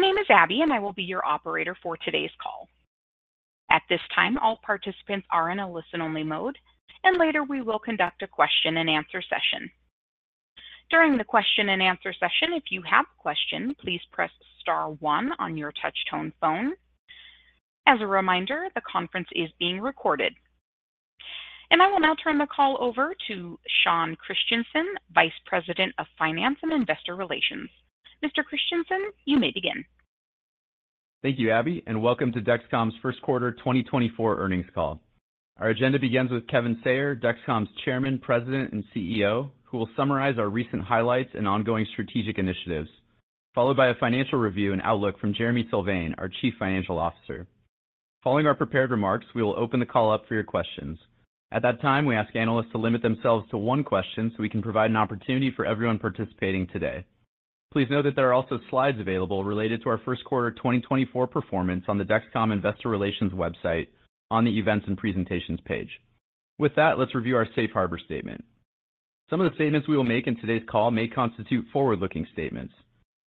My name is Abby, and I will be your operator for today's call. At this time, all participants are in a listen-only mode, and later we will conduct a question-and-answer session. During the question-and-answer session, if you have a question, please press star 1 on your touch-tone phone. As a reminder, the conference is being recorded. I will now turn the call over to Sean Christensen, Vice President of Finance and Investor Relations. Mr. Christensen, you may begin. Thank you, Abby, and welcome to Dexcom's first quarter 2024 earnings call. Our agenda begins with Kevin Sayer, Dexcom's Chairman, President, and CEO, who will summarize our recent highlights and ongoing strategic initiatives, followed by a financial review and outlook from Jereme Sylvain, our Chief Financial Officer. Following our prepared remarks, we will open the call up for your questions. At that time, we ask analysts to limit themselves to one question so we can provide an opportunity for everyone participating today. Please note that there are also slides available related to our first quarter 2024 performance on the Dexcom Investor Relations website on the Events and Presentations page. With that, let's review our Safe Harbor Statement. Some of the statements we will make in today's call may constitute forward-looking statements.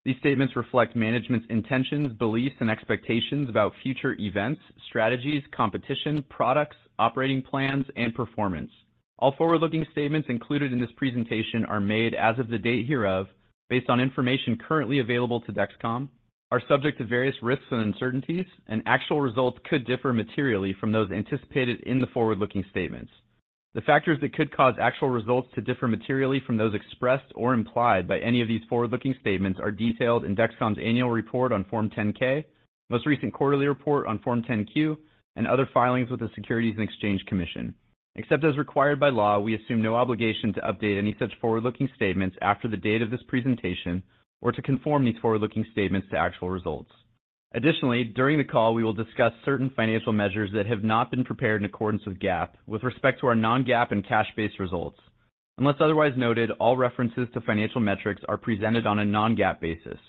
These statements reflect management's intentions, beliefs, and expectations about future events, strategies, competition, products, operating plans, and performance. All forward-looking statements included in this presentation are made as of the date hereof based on information currently available to Dexcom, are subject to various risks and uncertainties, and actual results could differ materially from those anticipated in the forward-looking statements. The factors that could cause actual results to differ materially from those expressed or implied by any of these forward-looking statements are detailed in Dexcom's annual report on Form 10-K, most recent quarterly report on Form 10-Q, and other filings with the Securities and Exchange Commission. Except as required by law, we assume no obligation to update any such forward-looking statements after the date of this presentation or to conform these forward-looking statements to actual results. Additionally, during the call, we will discuss certain financial measures that have not been prepared in accordance with GAAP with respect to our non-GAAP and cash-based results. Unless otherwise noted, all references to financial metrics are presented on a non-GAAP basis.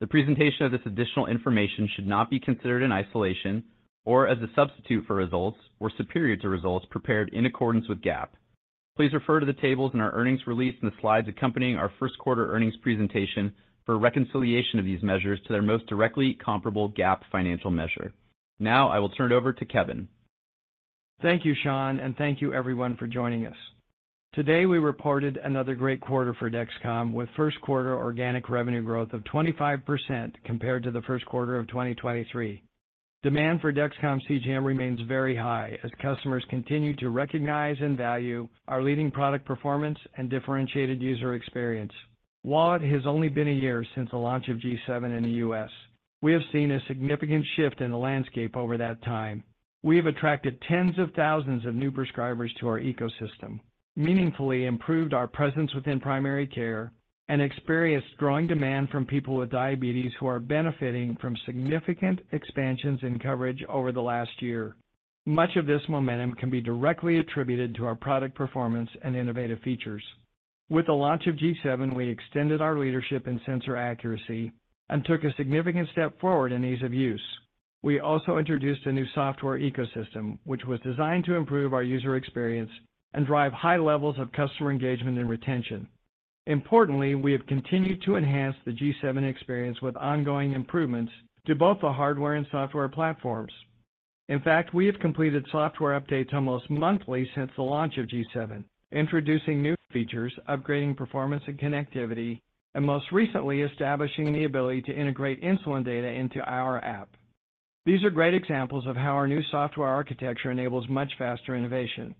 The presentation of this additional information should not be considered in isolation or as a substitute for results or superior to results prepared in accordance with GAAP. Please refer to the tables in our earnings release and the slides accompanying our first quarter earnings presentation for reconciliation of these measures to their most directly comparable GAAP financial measure. Now I will turn it over to Kevin. Thank you, Sean, and thank you, everyone, for joining us. Today we reported another great quarter for Dexcom with first quarter organic revenue growth of 25% compared to the first quarter of 2023. Demand for Dexcom CGM remains very high as customers continue to recognize and value our leading product performance and differentiated user experience. While it has only been a year since the launch of G7 in the US, we have seen a significant shift in the landscape over that time. We have attracted tens of thousands of new prescribers to our ecosystem, meaningfully improved our presence within primary care, and experienced growing demand from people with diabetes who are benefiting from significant expansions in coverage over the last year. Much of this momentum can be directly attributed to our product performance and innovative features. With the launch of G7, we extended our leadership in sensor accuracy and took a significant step forward in ease of use. We also introduced a new software ecosystem, which was designed to improve our user experience and drive high levels of customer engagement and retention. Importantly, we have continued to enhance the G7 experience with ongoing improvements to both the hardware and software platforms. In fact, we have completed software updates almost monthly since the launch of G7, introducing new features, upgrading performance and connectivity, and most recently establishing the ability to integrate insulin data into our app. These are great examples of how our new software architecture enables much faster innovation.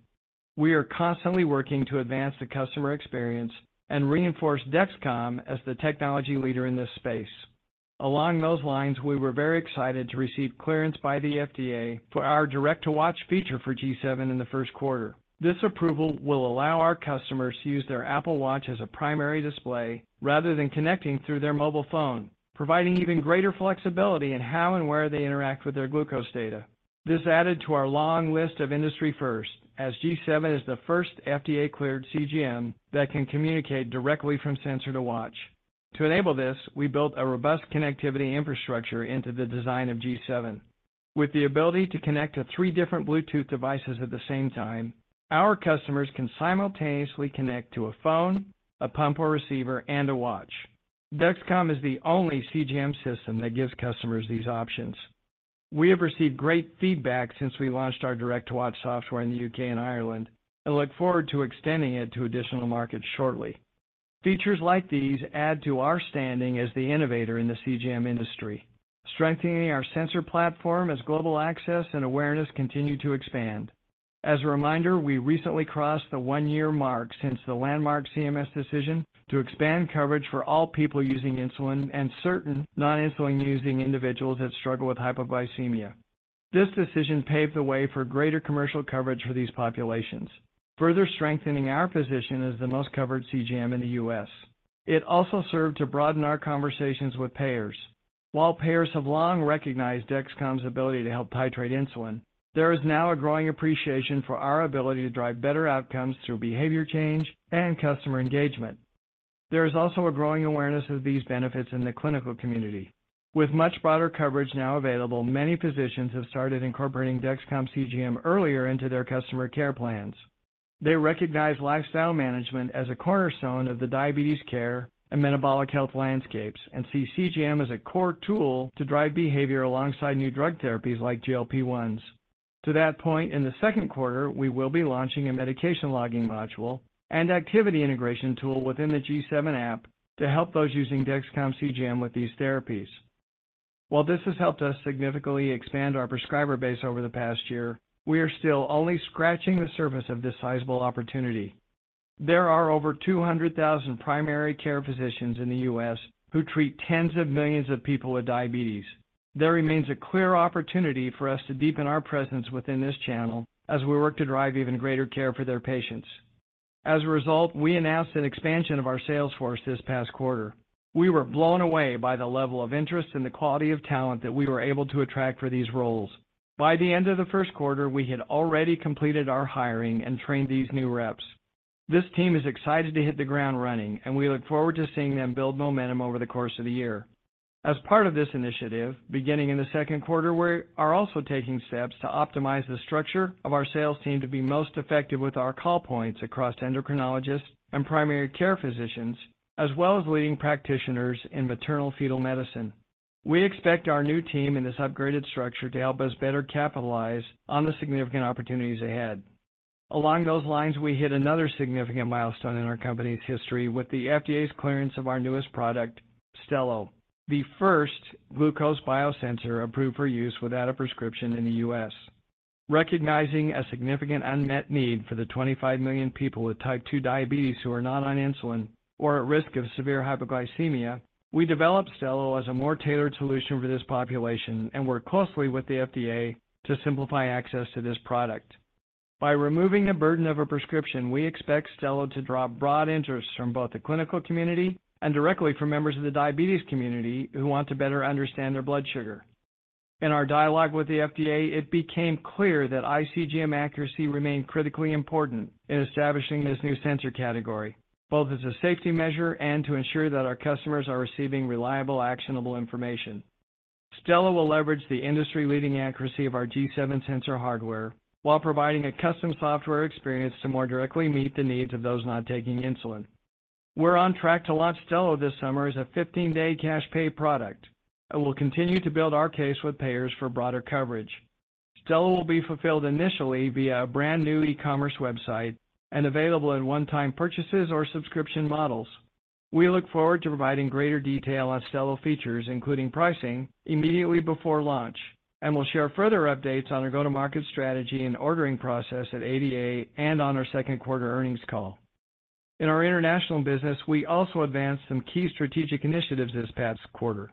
We are constantly working to advance the customer experience and reinforce Dexcom as the technology leader in this space. Along those lines, we were very excited to receive clearance by the FDA for our Direct-to-Watch feature for G7 in the first quarter. This approval will allow our customers to use their Apple Watch as a primary display rather than connecting through their mobile phone, providing even greater flexibility in how and where they interact with their glucose data. This added to our long list of industry firsts as G7 is the first FDA-cleared CGM that can communicate directly from sensor to watch. To enable this, we built a robust connectivity infrastructure into the design of G7. With the ability to connect to three different Bluetooth devices at the same time, our customers can simultaneously connect to a phone, a pump or receiver, and a watch. Dexcom is the only CGM system that gives customers these options. We have received great feedback since we launched our Direct-to-Watch software in the UK and Ireland and look forward to extending it to additional markets shortly. Features like these add to our standing as the innovator in the CGM industry, strengthening our sensor platform as global access and awareness continue to expand. As a reminder, we recently crossed the one-year mark since the landmark CMS decision to expand coverage for all people using insulin and certain non-insulin using individuals that struggle with hypoglycemia. This decision paved the way for greater commercial coverage for these populations, further strengthening our position as the most covered CGM in the US. It also served to broaden our conversations with payers. While payers have long recognized Dexcom's ability to help titrate insulin, there is now a growing appreciation for our ability to drive better outcomes through behavior change and customer engagement. There is also a growing awareness of these benefits in the clinical community. With much broader coverage now available, many physicians have started incorporating Dexcom CGM earlier into their customer care plans. They recognize lifestyle management as a cornerstone of the diabetes care and metabolic health landscapes and see CGM as a core tool to drive behavior alongside new drug therapies like GLP-1s. To that point, in the second quarter, we will be launching a medication logging module and activity integration tool within the G7 app to help those using Dexcom CGM with these therapies. While this has helped us significantly expand our prescriber base over the past year, we are still only scratching the surface of this sizable opportunity. There are over 200,000 primary care physicians in the U.S. who treat tens of millions of people with diabetes. There remains a clear opportunity for us to deepen our presence within this channel as we work to drive even greater care for their patients. As a result, we announced an expansion of our sales force this past quarter. We were blown away by the level of interest and the quality of talent that we were able to attract for these roles. By the end of the first quarter, we had already completed our hiring and trained these new reps. This team is excited to hit the ground running, and we look forward to seeing them build momentum over the course of the year. As part of this initiative, beginning in the second quarter, we are also taking steps to optimize the structure of our sales team to be most effective with our call points across endocrinologists and primary care physicians, as well as leading practitioners in maternal-fetal medicine. We expect our new team in this upgraded structure to help us better capitalize on the significant opportunities ahead. Along those lines, we hit another significant milestone in our company's history with the FDA's clearance of our newest product, Stelo, the first glucose biosensor approved for use without a prescription in the U.S. Recognizing a significant unmet need for the 25 million people with Type 2 diabetes who are not on insulin or at risk of severe hypoglycemia, we developed Stelo as a more tailored solution for this population and worked closely with the FDA to simplify access to this product. By removing the burden of a prescription, we expect Stelo to draw broad interest from both the clinical community and directly from members of the diabetes community who want to better understand their blood sugar. In our dialogue with the FDA, it became clear that iCGM accuracy remained critically important in establishing this new sensor category, both as a safety measure and to ensure that our customers are receiving reliable, actionable information. Stelo will leverage the industry-leading accuracy of our G7 sensor hardware while providing a custom software experience to more directly meet the needs of those not taking insulin. We're on track to launch Stelo this summer as a 15-day cash-pay product and will continue to build our case with payers for broader coverage. Stelo will be fulfilled initially via a brand-new e-commerce website and available in one-time purchases or subscription models. We look forward to providing greater detail on Stelo features, including pricing, immediately before launch, and will share further updates on our go-to-market strategy and ordering process at ADA and on our second quarter earnings call. In our international business, we also advanced some key strategic initiatives this past quarter.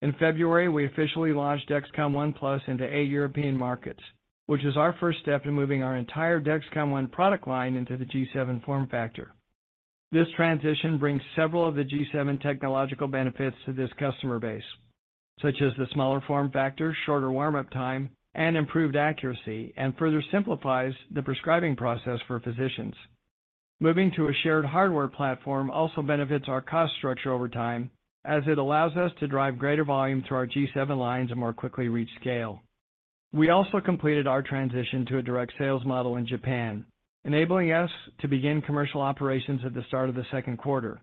In February, we officially launched Dexcom ONE+ into eight European markets, which is our first step in moving our entire Dexcom ONE product line into the G7 form factor. This transition brings several of the G7 technological benefits to this customer base, such as the smaller form factor, shorter warm-up time, and improved accuracy, and further simplifies the prescribing process for physicians. Moving to a shared hardware platform also benefits our cost structure over time, as it allows us to drive greater volume to our G7 lines and more quickly reach scale. We also completed our transition to a direct sales model in Japan, enabling us to begin commercial operations at the start of the second quarter.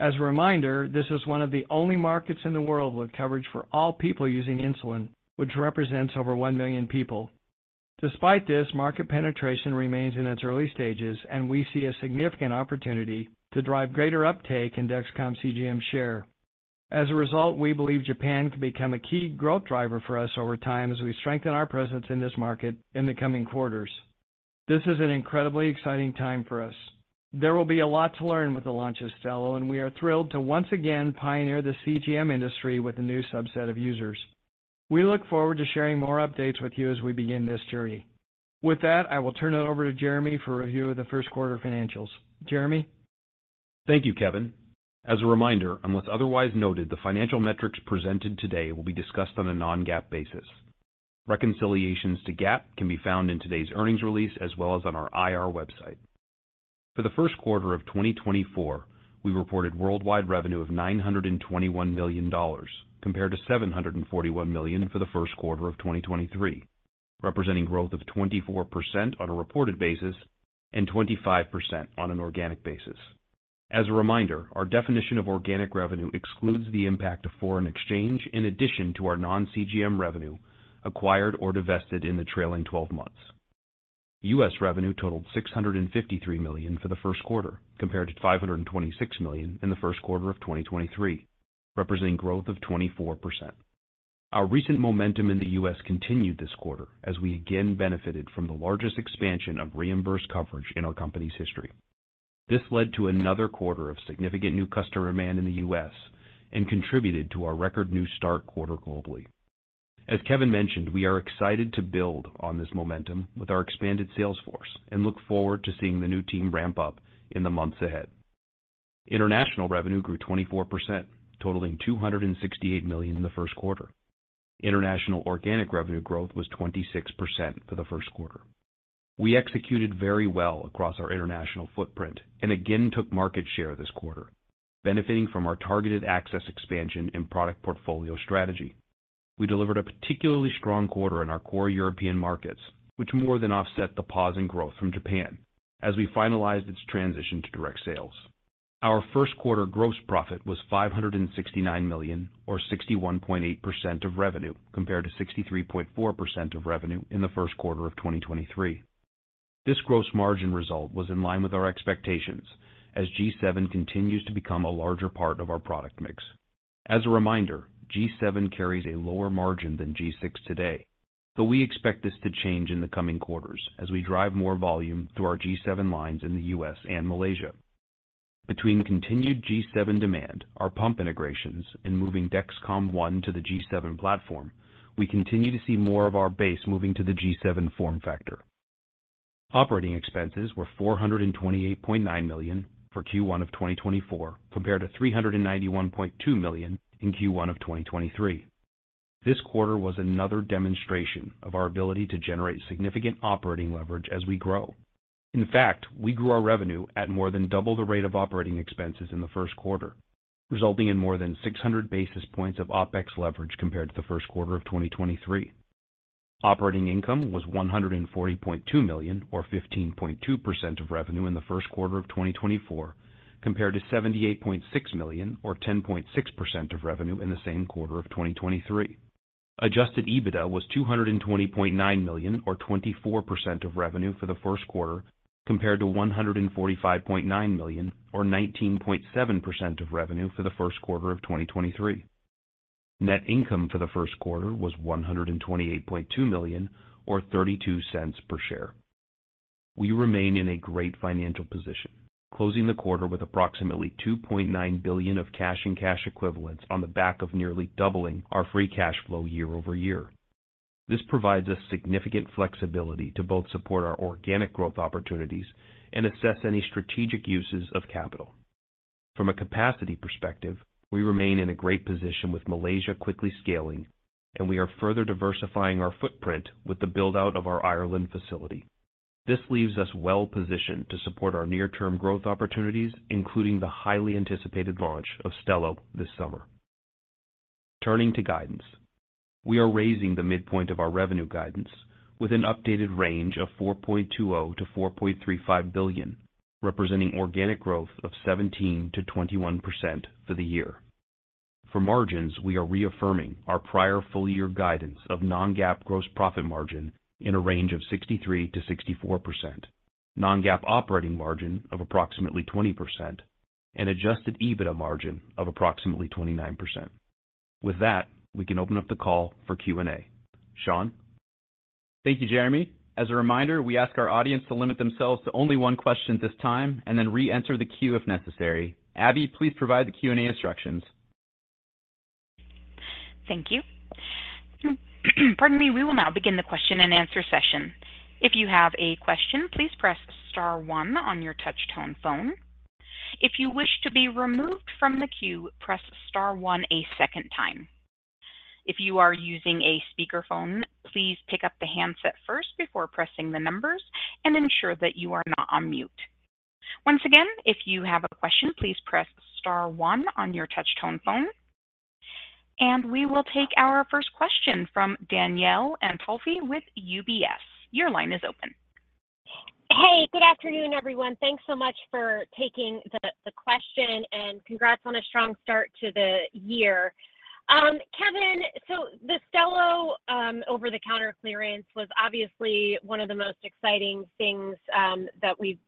As a reminder, this is one of the only markets in the world with coverage for all people using insulin, which represents over 1 million people. Despite this, market penetration remains in its early stages, and we see a significant opportunity to drive greater uptake in Dexcom CGM share. As a result, we believe Japan can become a key growth driver for us over time as we strengthen our presence in this market in the coming quarters. This is an incredibly exciting time for us. There will be a lot to learn with the launch of Stelo, and we are thrilled to once again pioneer the CGM industry with a new subset of users. We look forward to sharing more updates with you as we begin this journey. With that, I will turn it over to Jereme for review of the first quarter financials. Jereme? Thank you, Kevin. As a reminder, unless otherwise noted, the financial metrics presented today will be discussed on a non-GAAP basis. Reconciliations to GAAP can be found in today's earnings release as well as on our IR website. For the first quarter of 2024, we reported worldwide revenue of $921 million compared to $741 million for the first quarter of 2023, representing growth of 24% on a reported basis and 25% on an organic basis. As a reminder, our definition of organic revenue excludes the impact of foreign exchange in addition to our non-CGM revenue acquired or divested in the trailing 12 months. U.S. revenue totaled $653 million for the first quarter compared to $526 million in the first quarter of 2023, representing growth of 24%. Our recent momentum in the U.S. continued this quarter as we again benefited from the largest expansion of reimbursed coverage in our company's history. This led to another quarter of significant new customer demand in the U.S. and contributed to our record new start quarter globally. As Kevin mentioned, we are excited to build on this momentum with our expanded sales force and look forward to seeing the new team ramp up in the months ahead. International revenue grew 24%, totaling $268 million in the first quarter. International organic revenue growth was 26% for the first quarter. We executed very well across our international footprint and again took market share this quarter, benefiting from our targeted access expansion and product portfolio strategy. We delivered a particularly strong quarter in our core European markets, which more than offset the pause in growth from Japan as we finalized its transition to direct sales. Our first quarter gross profit was $569 million or 61.8% of revenue compared to 63.4% of revenue in the first quarter of 2023. This gross margin result was in line with our expectations as G7 continues to become a larger part of our product mix. As a reminder, G7 carries a lower margin than G6 today, though we expect this to change in the coming quarters as we drive more volume through our G7 lines in the US and Malaysia. Between continued G7 demand, our pump integrations, and moving Dexcom ONE to the G7 platform, we continue to see more of our base moving to the G7 form factor. Operating expenses were $428.9 million for Q1 of 2024 compared to $391.2 million in Q1 of 2023. This quarter was another demonstration of our ability to generate significant operating leverage as we grow. In fact, we grew our revenue at more than double the rate of operating expenses in the first quarter, resulting in more than 600 basis points of OpEx leverage compared to the first quarter of 2023. Operating income was $140.2 million or 15.2% of revenue in the first quarter of 2024 compared to $78.6 million or 10.6% of revenue in the same quarter of 2023. Adjusted EBITDA was $220.9 million or 24% of revenue for the first quarter compared to $145.9 million or 19.7% of revenue for the first quarter of 2023. Net income for the first quarter was $128.2 million or $0.32 per share. We remain in a great financial position, closing the quarter with approximately $2.9 billion of cash and cash equivalents on the back of nearly doubling our free cash flow year-over-year. This provides us significant flexibility to both support our organic growth opportunities and assess any strategic uses of capital. From a capacity perspective, we remain in a great position with Malaysia quickly scaling, and we are further diversifying our footprint with the buildout of our Ireland facility. This leaves us well positioned to support our near-term growth opportunities, including the highly anticipated launch of Stelo this summer. Turning to guidance, we are raising the midpoint of our revenue guidance with an updated range of $4.20-$4.35 billion, representing organic growth of 17%-21% for the year. For margins, we are reaffirming our prior full-year guidance of non-GAAP gross profit margin in a range of 63%-64%, non-GAAP operating margin of approximately 20%, and adjusted EBITDA margin of approximately 29%. With that, we can open up the call for Q&A. Sean? Thank you, Jereme. As a reminder, we ask our audience to limit themselves to only one question this time and then re-enter the queue if necessary. Abby, please provide the Q&A instructions. Thank you. Pardon me. We will now begin the question-and-answer session. If you have a question, please press star 1 on your touch-tone phone. If you wish to be removed from the queue, press star 1 a second time. If you are using a speakerphone, please pick up the handset first before pressing the numbers and ensure that you are not on mute. Once again, if you have a question, please press star 1 on your touch-tone phone. We will take our first question from Danielle Antalffy with UBS. Your line is open. Hey, good afternoon, everyone. Thanks so much for taking the question, and congrats on a strong start to the year. Kevin, so the Stelo over-the-counter clearance was obviously one of the most exciting things that we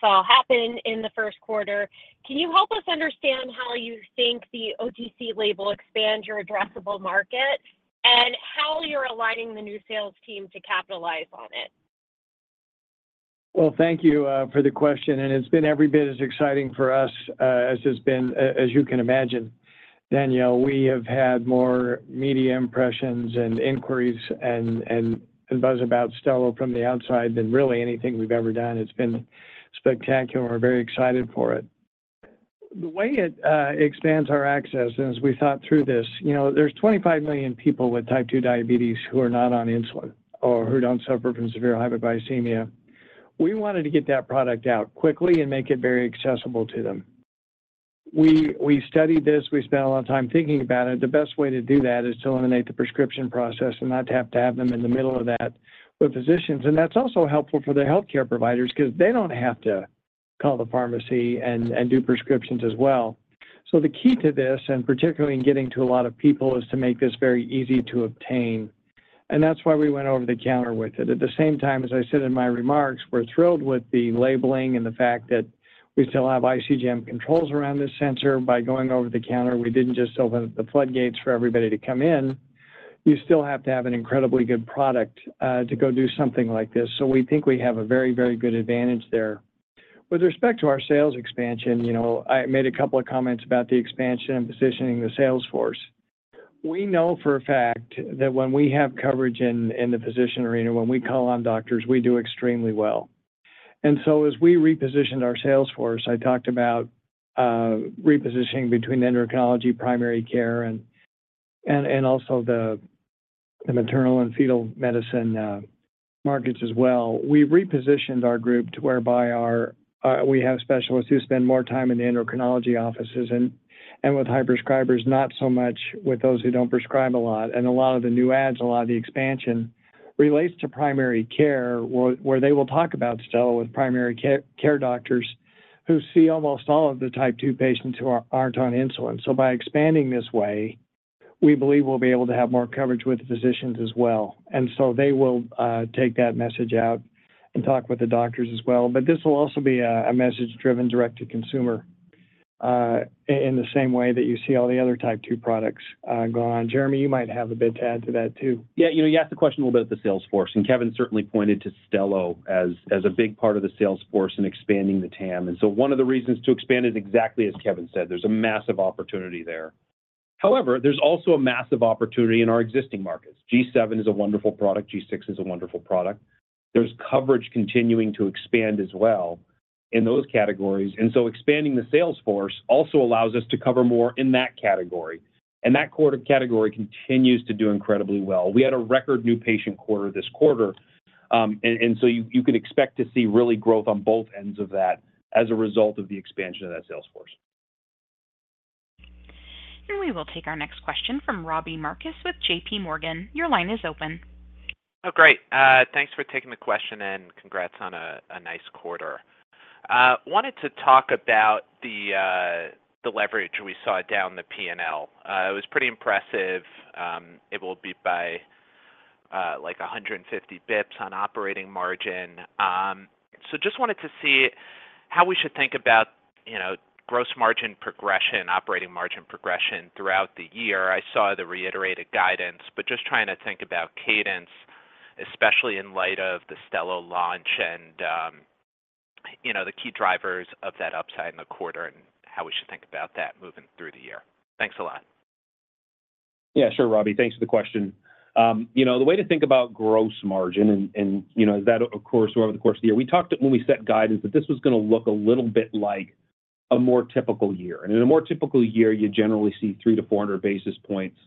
saw happen in the first quarter. Can you help us understand how you think the OTC label expands your addressable market and how you're aligning the new sales team to capitalize on it? Well, thank you for the question, and it's been every bit as exciting for us as you can imagine. Danielle, we have had more media impressions and inquiries and buzz about Stelo from the outside than really anything we've ever done. It's been spectacular. We're very excited for it. The way it expands our access, and as we thought through this, there's 25 million people with Type 2 diabetes who are not on insulin or who don't suffer from severe hypoglycemia. We wanted to get that product out quickly and make it very accessible to them. We studied this. We spent a lot of time thinking about it. The best way to do that is to eliminate the prescription process and not have to have them in the middle of that with physicians. That's also helpful for their healthcare providers because they don't have to call the pharmacy and do prescriptions as well. The key to this, and particularly in getting to a lot of people, is to make this very easy to obtain. That's why we went over the counter with it. At the same time, as I said in my remarks, we're thrilled with the labeling and the fact that we still have iCGM controls around this sensor. By going over the counter, we didn't just open up the floodgates for everybody to come in. You still have to have an incredibly good product to go do something like this. We think we have a very, very good advantage there. With respect to our sales expansion, I made a couple of comments about the expansion and positioning the sales force. We know for a fact that when we have coverage in the physician arena, when we call on doctors, we do extremely well. And so as we repositioned our sales force, I talked about repositioning between endocrinology, primary care, and also the maternal-fetal medicine markets as well. We repositioned our group to whereby we have specialists who spend more time in the endocrinology offices and with high prescribers, not so much with those who don't prescribe a lot. And a lot of the new ads, a lot of the expansion relates to primary care, where they will talk about Stelo with primary care doctors who see almost all of the type 2 patients who aren't on insulin. So by expanding this way, we believe we'll be able to have more coverage with physicians as well. And so they will take that message out and talk with the doctors as well. But this will also be a message-driven, direct-to-consumer in the same way that you see all the other Type 2 products going on. Jereme, you might have a bit to add to that too. Yeah, you asked the question a little bit of the sales force, and Kevin certainly pointed to Stelo as a big part of the sales force and expanding the TAM. And so one of the reasons to expand is exactly as Kevin said. There's a massive opportunity there. However, there's also a massive opportunity in our existing markets. G7 is a wonderful product. G6 is a wonderful product. There's coverage continuing to expand as well in those categories. And so expanding the sales force also allows us to cover more in that category. And that category continues to do incredibly well. We had a record new patient quarter this quarter. And so you can expect to see real growth on both ends of that as a result of the expansion of that sales force. We will take our next question from Robbie Marcus with J.P. Morgan. Your line is open. Oh, great. Thanks for taking the question, and congrats on a nice quarter. Wanted to talk about the leverage we saw down the P&L. It was pretty impressive. It was by like 150 basis points on operating margin. So just wanted to see how we should think about gross margin progression, operating margin progression throughout the year. I saw the reiterated guidance, but just trying to think about cadence, especially in light of the Stelo launch and the key drivers of that upside in the quarter and how we should think about that moving through the year. Thanks a lot. Yeah, sure, Robbie. Thanks for the question. The way to think about gross margin, and is that, of course, throughout the course of the year? We talked when we set guidance that this was going to look a little bit like a more typical year. In a more typical year, you generally see three to 400 basis points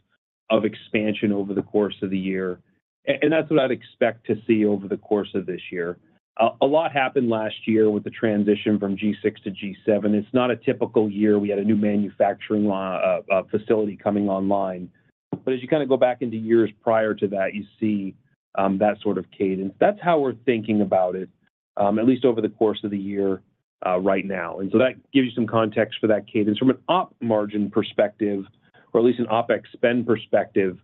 of expansion over the course of the year. That's what I'd expect to see over the course of this year. A lot happened last year with the transition from G6 to G7. It's not a typical year. We had a new manufacturing facility coming online. But as you kind of go back into years prior to that, you see that sort of cadence. That's how we're thinking about it, at least over the course of the year right now. So that gives you some context for that cadence. From an op margin perspective, or at least an OpEx spend perspective,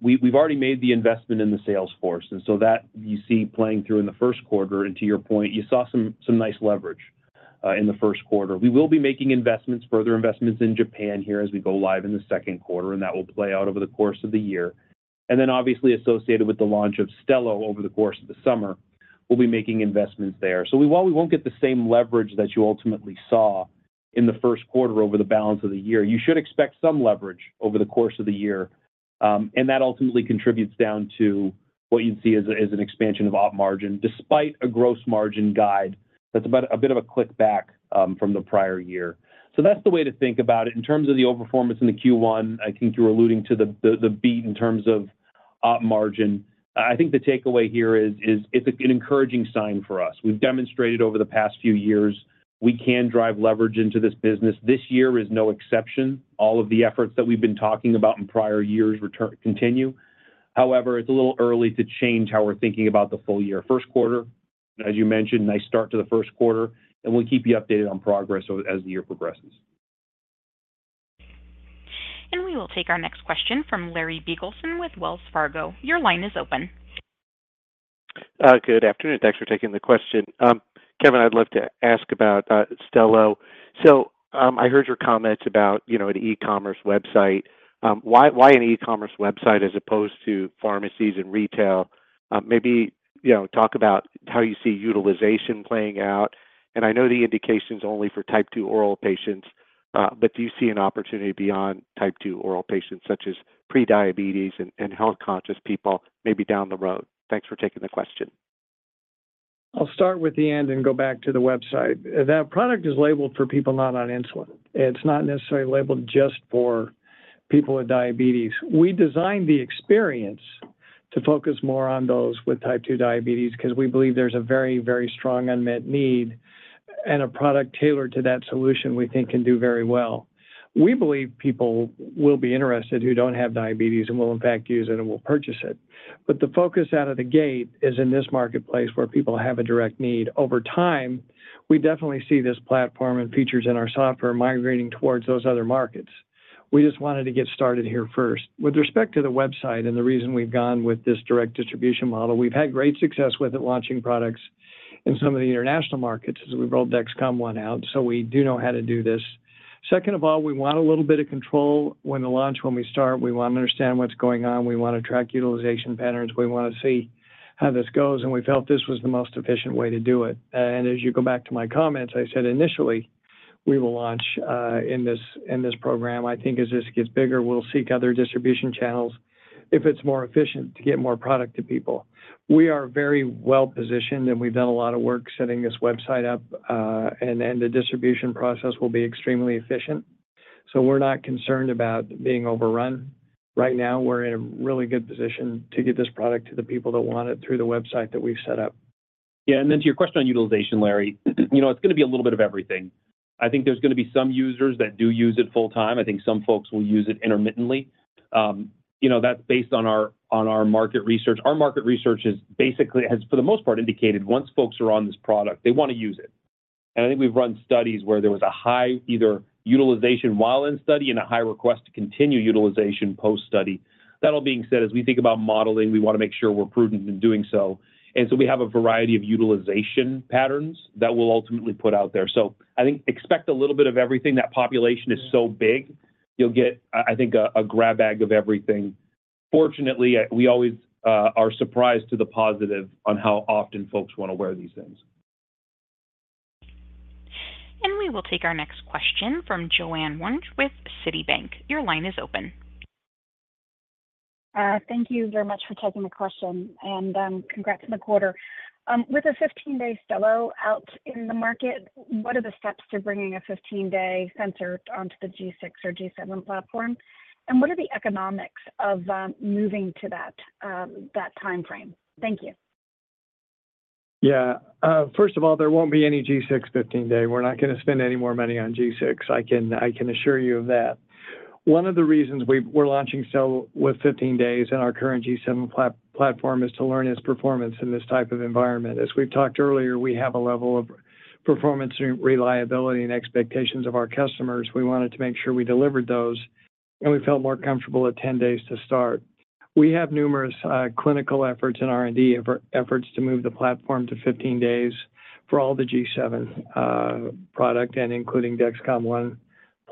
we've already made the investment in the sales force. So that you see playing through in the first quarter. To your point, you saw some nice leverage in the first quarter. We will be making investments, further investments in Japan here as we go live in the second quarter, and that will play out over the course of the year. And then, obviously, associated with the launch of Stelo over the course of the summer, we'll be making investments there. So while we won't get the same leverage that you ultimately saw in the first quarter over the balance of the year, you should expect some leverage over the course of the year. And that ultimately contributes down to what you'd see as an expansion of op margin, despite a gross margin guide that's a bit of a click back from the prior year. So that's the way to think about it. In terms of the overperformance in the Q1, I think you were alluding to the beat in terms of op margin. I think the takeaway here is it's an encouraging sign for us. We've demonstrated over the past few years we can drive leverage into this business. This year is no exception. All of the efforts that we've been talking about in prior years continue. However, it's a little early to change how we're thinking about the full year. First quarter, as you mentioned, nice start to the first quarter. We'll keep you updated on progress as the year progresses. We will take our next question from Larry Biegelsen with Wells Fargo. Your line is open. Good afternoon. Thanks for taking the question. Kevin, I'd love to ask about Stelo. So I heard your comments about an e-commerce website. Why an e-commerce website as opposed to pharmacies and retail? Maybe talk about how you see utilization playing out. And I know the indication is only for Type 2 oral patients, but do you see an opportunity beyond Type 2 oral patients such as prediabetes and health-conscious people maybe down the road? Thanks for taking the question. I'll start with the end and go back to the website. That product is labeled for people not on insulin. It's not necessarily labeled just for people with diabetes. We designed the experience to focus more on those with Type 2 Diabetes because we believe there's a very, very strong unmet need, and a product tailored to that solution we think can do very well. We believe people will be interested who don't have diabetes and will, in fact, use it and will purchase it. But the focus out of the gate is in this marketplace where people have a direct need. Over time, we definitely see this platform and features in our software migrating towards those other markets. We just wanted to get started here first. With respect to the website and the reason we've gone with this direct distribution model, we've had great success with it launching products in some of the international markets as we've rolled Dexcom ONE out. So we do know how to do this. Second of all, we want a little bit of control when the launch, when we start. We want to understand what's going on. We want to track utilization patterns. We want to see how this goes. And we felt this was the most efficient way to do it. And as you go back to my comments, I said initially we will launch in this program. I think as this gets bigger, we'll seek other distribution channels if it's more efficient to get more product to people. We are very well positioned, and we've done a lot of work setting this website up. The distribution process will be extremely efficient. We're not concerned about being overrun. Right now, we're in a really good position to get this product to the people that want it through the website that we've set up. Yeah. And then to your question on utilization, Larry, it's going to be a little bit of everything. I think there's going to be some users that do use it full-time. I think some folks will use it intermittently. That's based on our market research. Our market research has basically, for the most part, indicated once folks are on this product, they want to use it. And I think we've run studies where there was a high either utilization while in study and a high request to continue utilization post-study. That all being said, as we think about modeling, we want to make sure we're prudent in doing so. And so we have a variety of utilization patterns that we'll ultimately put out there. So I think expect a little bit of everything. That population is so big, you'll get, I think, a grab bag of everything. Fortunately, we always are surprised to the positive on how often folks want to wear these things. We will take our next question from Joanne Wuensch with Citibank. Your line is open. Thank you very much for taking the question, and congrats on the quarter. With a 15-day Stelo out in the market, what are the steps to bringing a 15-day sensor onto the G6 or G7 platform? And what are the economics of moving to that time frame? Thank you. Yeah. First of all, there won't be any G6 15-day. We're not going to spend any more money on G6. I can assure you of that. One of the reasons we're launching Stelo with 15 days in our current G7 platform is to learn its performance in this type of environment. As we've talked earlier, we have a level of performance reliability and expectations of our customers. We wanted to make sure we delivered those, and we felt more comfortable at 10 days to start. We have numerous clinical efforts and R&D efforts to move the platform to 15 days for all the G7 product, including Dexcom ONE+,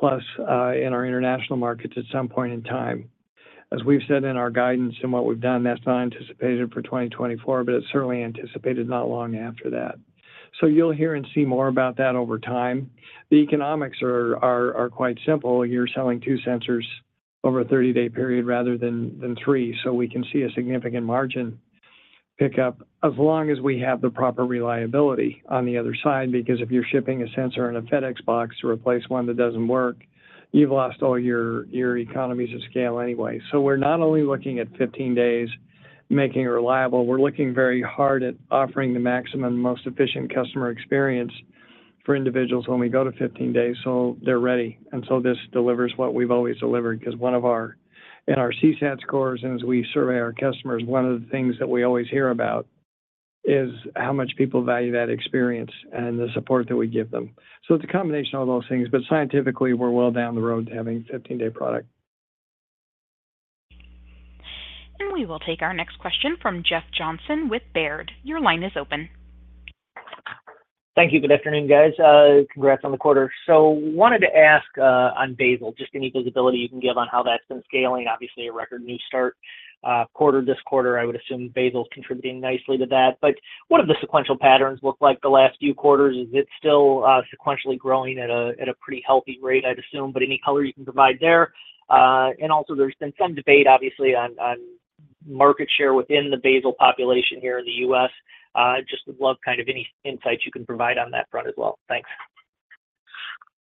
in our international markets at some point in time. As we've said in our guidance and what we've done, that's not anticipated for 2024, but it's certainly anticipated not long after that. So you'll hear and see more about that over time. The economics are quite simple. You're selling two sensors over a 30-day period rather than three. So we can see a significant margin pickup as long as we have the proper reliability on the other side. Because if you're shipping a sensor in a FedEx box to replace one that doesn't work, you've lost all your economies of scale anyway. So we're not only looking at 15 days making it reliable, we're looking very hard at offering the maximum, most efficient customer experience for individuals when we go to 15 days so they're ready. And so this delivers what we've always delivered because one of our CSAT scores, and as we survey our customers, one of the things that we always hear about is how much people value that experience and the support that we give them. It's a combination of all those things. But scientifically, we're well down the road to having a 15-day product. We will take our next question from Jeff Johnson with Baird. Your line is open. Thank you. Good afternoon, guys. Congrats on the quarter. Wanted to ask on basal, just any visibility you can give on how that's been scaling. Obviously, a record new start quarter this quarter, I would assume basal's contributing nicely to that. But what have the sequential patterns looked like the last few quarters? Is it still sequentially growing at a pretty healthy rate, I'd assume? But any color you can provide there. And also, there's been some debate, obviously, on market share within the basal population here in the US. Just would love kind of any insights you can provide on that front as well. Thanks.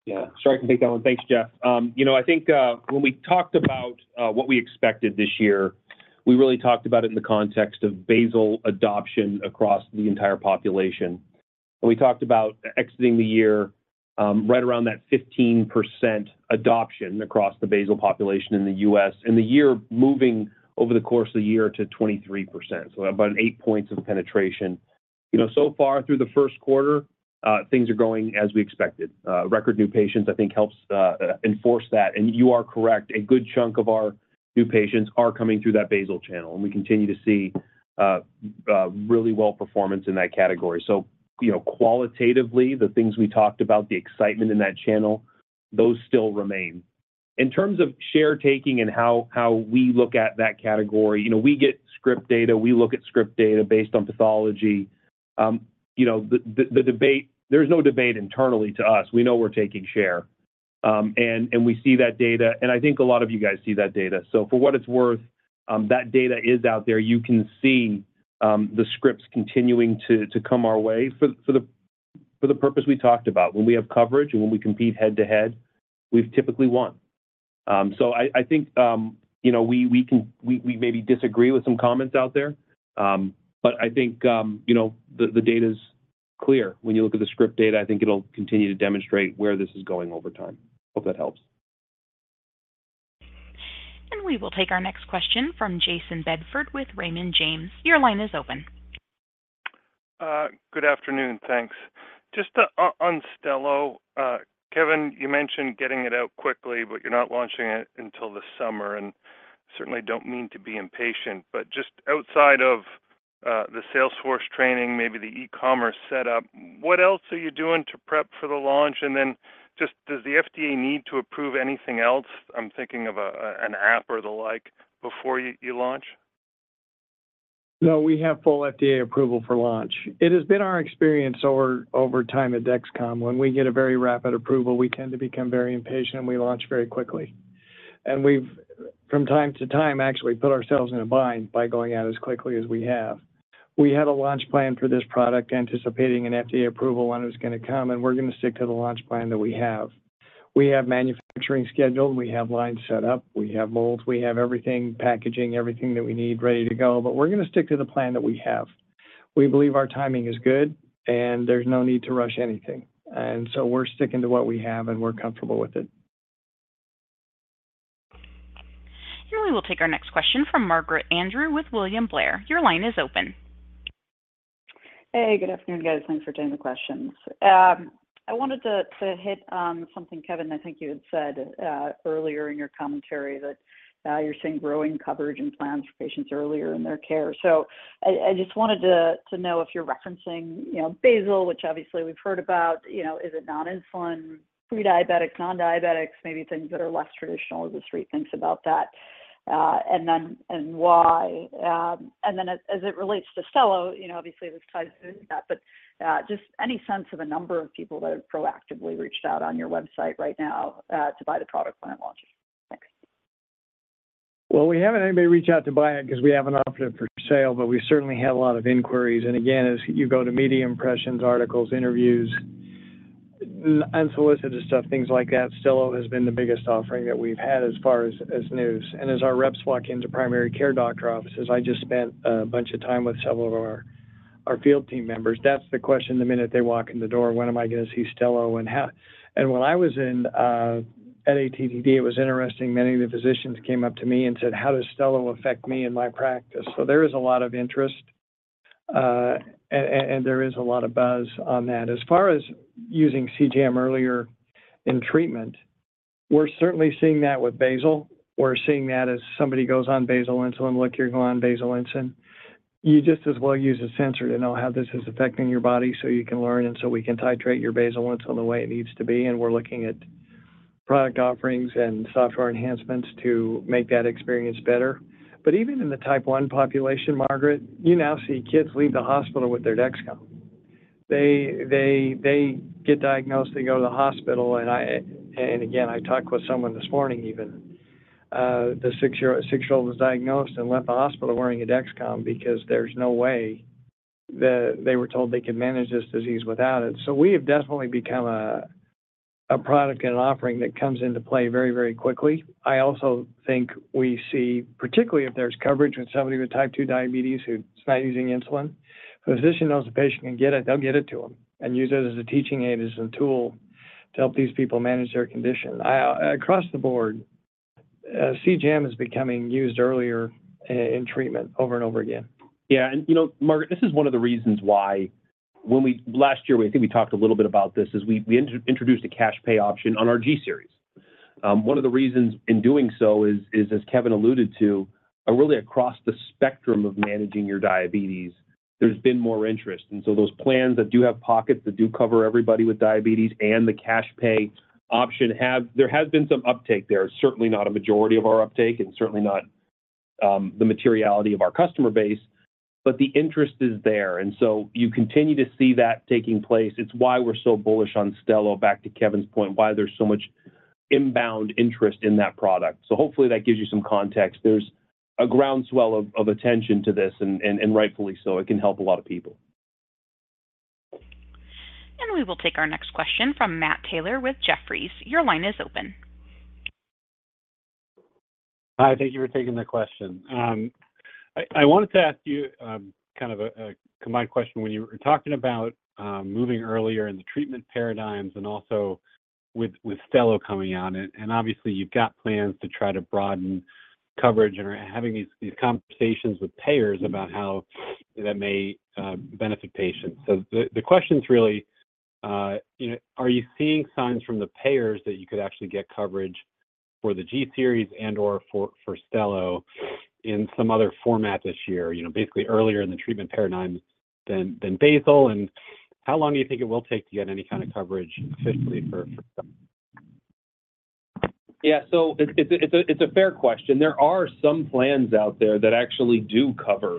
Yeah. Sorry, I can take that one. Thanks, Jeff. I think when we talked about what we expected this year, we really talked about it in the context of basal adoption across the entire population. We talked about exiting the year right around that 15% adoption across the basal population in the US and the year moving over the course of the year to 23%, so about 8 points of penetration. So far through the first quarter, things are going as we expected. Record new patients, I think, helps enforce that. You are correct. A good chunk of our new patients are coming through that basal channel. We continue to see really well performance in that category. So qualitatively, the things we talked about, the excitement in that channel, those still remain. In terms of share taking and how we look at that category, we get script data. We look at script data based on pathology. There's no debate internally to us. We know we're taking share. And we see that data. And I think a lot of you guys see that data. So for what it's worth, that data is out there. You can see the scripts continuing to come our way. For the purpose we talked about, when we have coverage and when we compete head-to-head, we've typically won. So I think we maybe disagree with some comments out there, but I think the data is clear. When you look at the script data, I think it'll continue to demonstrate where this is going over time. Hope that helps. We will take our next question from Jayson Bedford with Raymond James. Your line is open. Good afternoon. Thanks. Just on Stelo, Kevin, you mentioned getting it out quickly, but you're not launching it until the summer and certainly don't mean to be impatient. Just outside of the sales force training, maybe the e-commerce setup, what else are you doing to prep for the launch? And then just does the FDA need to approve anything else? I'm thinking of an app or the like before you launch. No, we have full FDA approval for launch. It has been our experience over time at Dexcom, when we get a very rapid approval, we tend to become very impatient and we launch very quickly. We've, from time to time, actually put ourselves in a bind by going out as quickly as we have. We had a launch plan for this product anticipating an FDA approval when it was going to come, and we're going to stick to the launch plan that we have. We have manufacturing scheduled. We have lines set up. We have molds. We have everything, packaging, everything that we need ready to go. But we're going to stick to the plan that we have. We believe our timing is good, and there's no need to rush anything. So we're sticking to what we have, and we're comfortable with it. We will take our next question from Margaret Andrew with William Blair. Your line is open. Hey. Good afternoon, guys. Thanks for taking the questions. I wanted to hit on something, Kevin. I think you had said earlier in your commentary that you're seeing growing coverage and plans for patients earlier in their care. So I just wanted to know if you're referencing basal, which obviously we've heard about. Is it non-insulin, prediabetics, non-diabetics, maybe things that are less traditional as the street thinks about that, and why? And then as it relates to Stelo, obviously, this ties into that, but just any sense of a number of people that have proactively reached out on your website right now to buy the product when it launches? Thanks. Well, we haven't had anybody reach out to buy it because we have an offer for sale, but we certainly have a lot of inquiries. And again, as you go to media impressions, articles, interviews, unsolicited stuff, things like that, Stelo has been the biggest offering that we've had as far as news. And as our reps walk into primary care doctor offices, I just spent a bunch of time with several of our field team members. That's the question the minute they walk in the door, "When am I going to see Stelo?" And when I was at ATTD, it was interesting. Many of the physicians came up to me and said, "How does Stelo affect me and my practice?" So there is a lot of interest, and there is a lot of buzz on that. As far as using CGM earlier in treatment, we're certainly seeing that with basal. We're seeing that as somebody goes on basal insulin, "Look, you're going on basal insulin." You just as well use a sensor to know how this is affecting your body so you can learn and so we can titrate your basal insulin the way it needs to be. And we're looking at product offerings and software enhancements to make that experience better. But even in the Type 1 population, Margaret, you now see kids leave the hospital with their Dexcom. They get diagnosed. They go to the hospital. And again, I talked with someone this morning even. The 6-year-old was diagnosed and left the hospital wearing a Dexcom because there's no way that they were told they could manage this disease without it. So we have definitely become a product and an offering that comes into play very, very quickly. I also think we see, particularly if there's coverage with somebody with type 2 diabetes who's not using insulin, a physician knows the patient can get it. They'll get it to them and use it as a teaching aid, as a tool to help these people manage their condition. Across the board, CGM is becoming used earlier in treatment over and over again. Yeah. And Margaret, this is one of the reasons why last year, I think we talked a little bit about this, is we introduced a cash pay option on our G series. One of the reasons in doing so is, as Kevin alluded to, really across the spectrum of managing your diabetes, there's been more interest. And so those plans that do have pockets that do cover everybody with diabetes and the cash pay option, there has been some uptake there. It's certainly not a majority of our uptake and certainly not the materiality of our customer base, but the interest is there. And so you continue to see that taking place. It's why we're so bullish on Stelo, back to Kevin's point, why there's so much inbound interest in that product. So hopefully, that gives you some context. There's a groundswell of attention to this, and rightfully so. It can help a lot of people. We will take our next question from Matt Taylor with Jefferies. Your line is open. Hi. Thank you for taking the question. I wanted to ask you kind of a combined question. When you were talking about moving earlier in the treatment paradigms and also with Stelo coming on, and obviously, you've got plans to try to broaden coverage and are having these conversations with payers about how that may benefit patients. So the question's really, are you seeing signs from the payers that you could actually get coverage for the G series and/or for Stelo in some other format this year, basically earlier in the treatment paradigm than basal? And how long do you think it will take to get any kind of coverage officially for Stelo? Yeah. So it's a fair question. There are some plans out there that actually do cover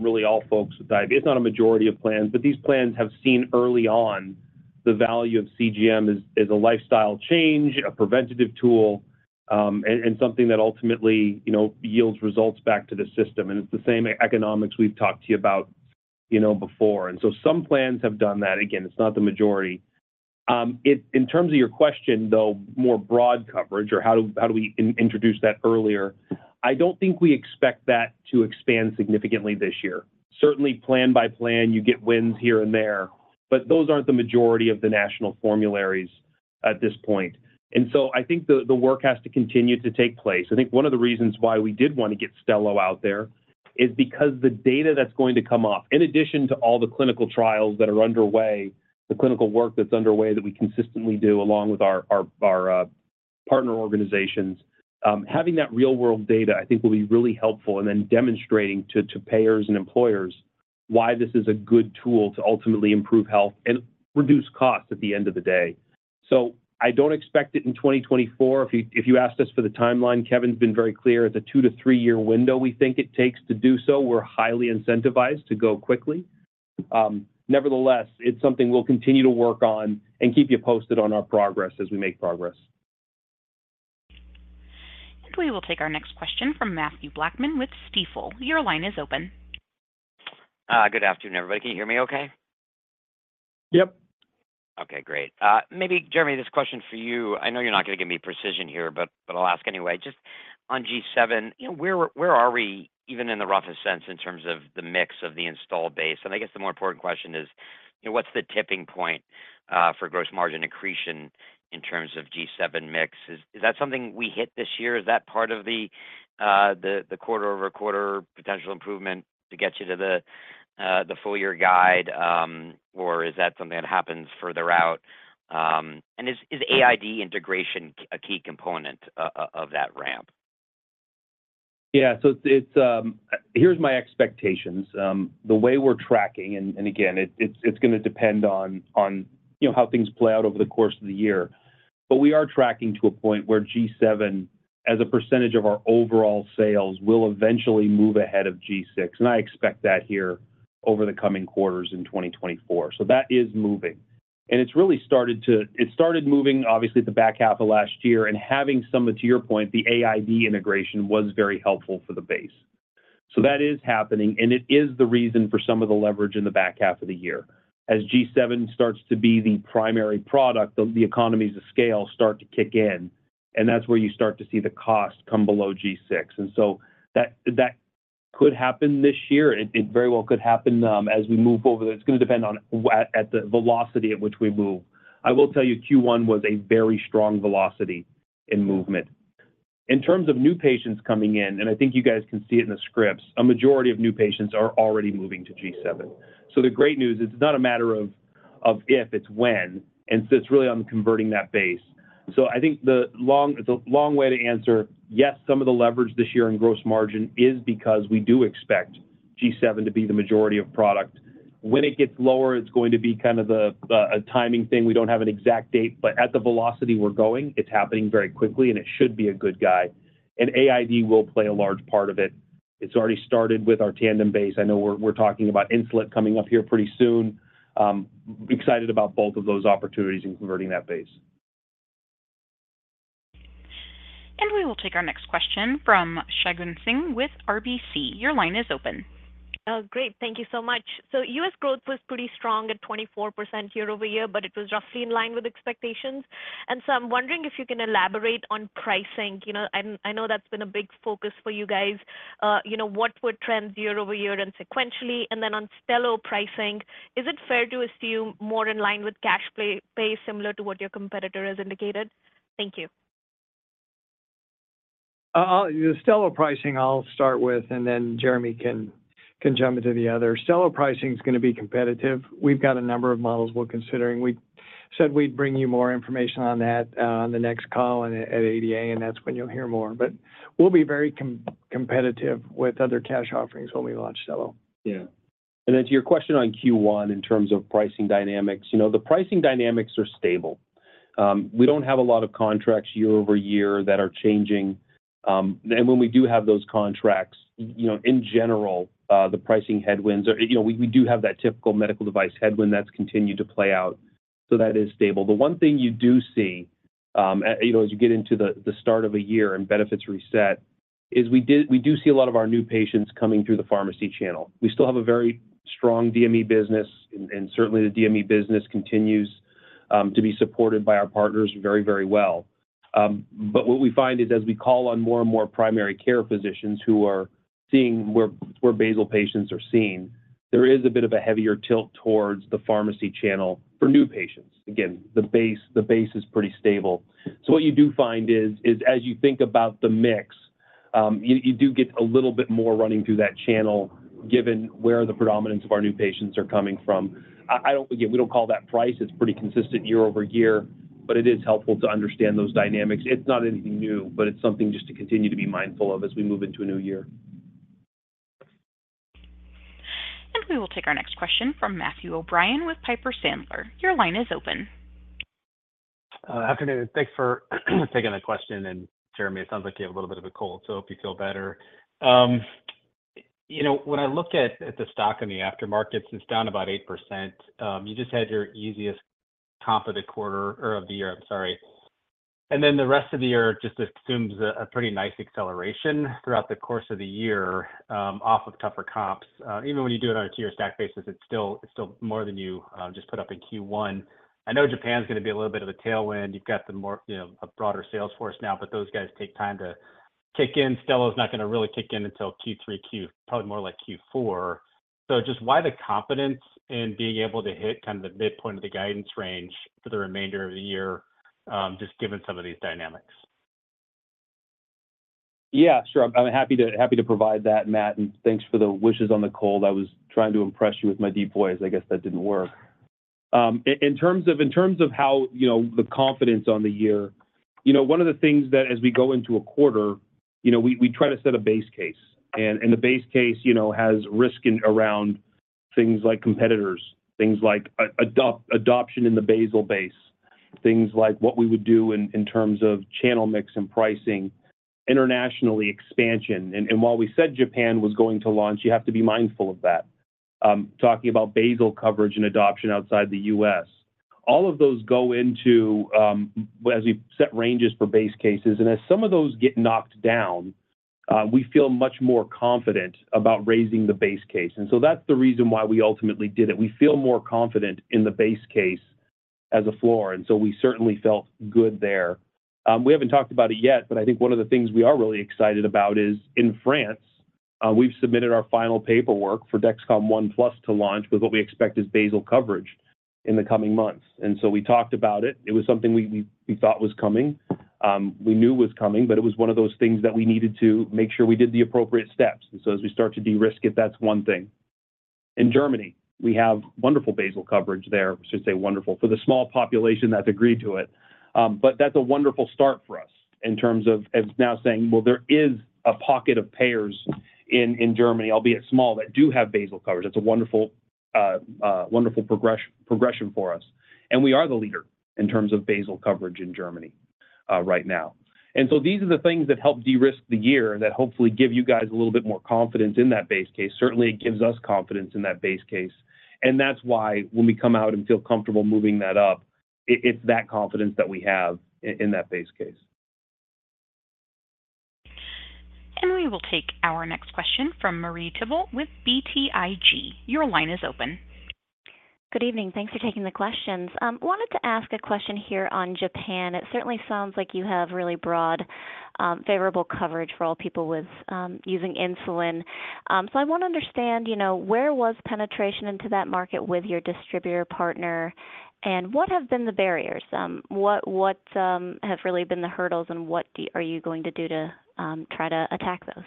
really all folks with diabetes. It's not a majority of plans, but these plans have seen early on the value of CGM as a lifestyle change, a preventative tool, and something that ultimately yields results back to the system. And it's the same economics we've talked to you about before. And so some plans have done that. Again, it's not the majority. In terms of your question, though, more broad coverage or how do we introduce that earlier, I don't think we expect that to expand significantly this year. Certainly, plan by plan, you get wins here and there, but those aren't the majority of the national formularies at this point. And so I think the work has to continue to take place. I think one of the reasons why we did want to get Stelo out there is because the data that's going to come off, in addition to all the clinical trials that are underway, the clinical work that's underway that we consistently do along with our partner organizations, having that real-world data, I think, will be really helpful. Then demonstrating to payers and employers why this is a good tool to ultimately improve health and reduce costs at the end of the day. I don't expect it in 2024. If you asked us for the timeline, Kevin's been very clear. It's a 2-3-year window, we think, it takes to do so. We're highly incentivized to go quickly. Nevertheless, it's something we'll continue to work on and keep you posted on our progress as we make progress. We will take our next question from Mathew Blackman with Stifel. Your line is open. Good afternoon, everybody. Can you hear me okay? Yep. Okay. Great. Maybe, Jereme, this question for you. I know you're not going to give me precision here, but I'll ask anyway. Just on G7, where are we even in the roughest sense in terms of the mix of the installed base? And I guess the more important question is, what's the tipping point for gross margin accretion in terms of G7 mix? Is that something we hit this year? Is that part of the quarter-over-quarter potential improvement to get you to the full-year guide, or is that something that happens further out? And is AID integration a key component of that ramp? Yeah. So here's my expectations. The way we're tracking and again, it's going to depend on how things play out over the course of the year. But we are tracking to a point where G7, as a percentage of our overall sales, will eventually move ahead of G6. And I expect that here over the coming quarters in 2024. So that is moving. And it's really started moving, obviously, at the back half of last year. And having some, to your point, the AID integration was very helpful for the base. So that is happening, and it is the reason for some of the leverage in the back half of the year. As G7 starts to be the primary product, the economies of scale start to kick in, and that's where you start to see the cost come below G6. And so that could happen this year. It very well could happen as we move over there. It's going to depend on the velocity at which we move. I will tell you, Q1 was a very strong velocity in movement. In terms of new patients coming in, and I think you guys can see it in the scripts, a majority of new patients are already moving to G7. So the great news is it's not a matter of if. It's when. And so it's really on converting that base. So I think the long way to answer, yes, some of the leverage this year in gross margin is because we do expect G7 to be the majority of product. When it gets lower, it's going to be kind of a timing thing. We don't have an exact date. But at the velocity we're going, it's happening very quickly, and it should be a good guy. AID will play a large part of it. It's already started with our Tandem base. I know we're talking about Insulet coming up here pretty soon. Excited about both of those opportunities in converting that base. We will take our next question from Shagun Singh with RBC. Your line is open. Great. Thank you so much. So U.S. growth was pretty strong at 24% year-over-year, but it was roughly in line with expectations. And so I'm wondering if you can elaborate on pricing. I know that's been a big focus for you guys. What were trends year-over-year and sequentially? And then on Stelo pricing, is it fair to assume more in line with cash pay, similar to what your competitor has indicated? Thank you. The Stelo pricing, I'll start with, and then Jereme can jump into the other. Stelo pricing is going to be competitive. We've got a number of models we're considering. We said we'd bring you more information on that on the next call at ADA, and that's when you'll hear more. But we'll be very competitive with other cash offerings when we launch Stelo. Yeah. And then to your question on Q1 in terms of pricing dynamics, the pricing dynamics are stable. We don't have a lot of contracts year over year that are changing. And when we do have those contracts, in general, the pricing headwinds are we do have that typical medical device headwind that's continued to play out. So that is stable. The one thing you do see as you get into the start of a year and benefits reset is we do see a lot of our new patients coming through the pharmacy channel. We still have a very strong DME business, and certainly, the DME business continues to be supported by our partners very, very well. What we find is as we call on more and more primary care physicians who are seeing where basal patients are seeing, there is a bit of a heavier tilt towards the pharmacy channel for new patients. Again, the base is pretty stable. What you do find is as you think about the mix, you do get a little bit more running through that channel given where the predominance of our new patients are coming from. Again, we don't call that price. It's pretty consistent year-over-year, but it is helpful to understand those dynamics. It's not anything new, but it's something just to continue to be mindful of as we move into a new year. We will take our next question from Matthew O'Brien with Piper Sandler. Your line is open. Afternoon. Thanks for taking the question. And Jereme, it sounds like you have a little bit of a cold, so hope you feel better. When I look at the stock in the aftermarkets, it's down about 8%. You just had your easiest comp of the quarter or of the year. I'm sorry. And then the rest of the year just assumes a pretty nice acceleration throughout the course of the year off of tougher comps. Even when you do it on a two-year stack basis, it's still more than you just put up in Q1. I know Japan's going to be a little bit of a tailwind. You've got a broader sales force now, but those guys take time to kick in. Stelo is not going to really kick in until Q3, Q probably more like Q4. So just why the confidence in being able to hit kind of the midpoint of the guidance range for the remainder of the year just given some of these dynamics? Yeah. Sure. I'm happy to provide that, Matt. And thanks for the wishes on the cold. I was trying to impress you with my deep voice. I guess that didn't work. In terms of how the confidence on the year, one of the things that as we go into a quarter, we try to set a base case. And the base case has risk around things like competitors, things like adoption in the basal base, things like what we would do in terms of channel mix and pricing, international expansion. And while we said Japan was going to launch, you have to be mindful of that, talking about basal coverage and adoption outside the US. All of those go into as we set ranges for base cases. And as some of those get knocked down, we feel much more confident about raising the base case. That's the reason why we ultimately did it. We feel more confident in the base case as a floor. We certainly felt good there. We haven't talked about it yet, but I think one of the things we are really excited about is in France, we've submitted our final paperwork for Dexcom ONE+ to launch with what we expect is basal coverage in the coming months. We talked about it. It was something we thought was coming. We knew was coming, but it was one of those things that we needed to make sure we did the appropriate steps. As we start to de-risk it, that's one thing. In Germany, we have wonderful basal coverage there. I should say wonderful for the small population that's agreed to it. But that's a wonderful start for us in terms of now saying, "Well, there is a pocket of payers in Germany, albeit small, that do have Basal coverage." That's a wonderful progression for us. And we are the leader in terms of Basal coverage in Germany right now. And so these are the things that help de-risk the year that hopefully give you guys a little bit more confidence in that base case. Certainly, it gives us confidence in that base case. And that's why when we come out and feel comfortable moving that up, it's that confidence that we have in that base case. We will take our next question from Marie Thibault with BTIG. Your line is open. Good evening. Thanks for taking the questions. Wanted to ask a question here on Japan. It certainly sounds like you have really broad, favorable coverage for all people using insulin. So I want to understand, where was penetration into that market with your distributor partner, and what have been the barriers? What have really been the hurdles, and what are you going to do to try to attack those?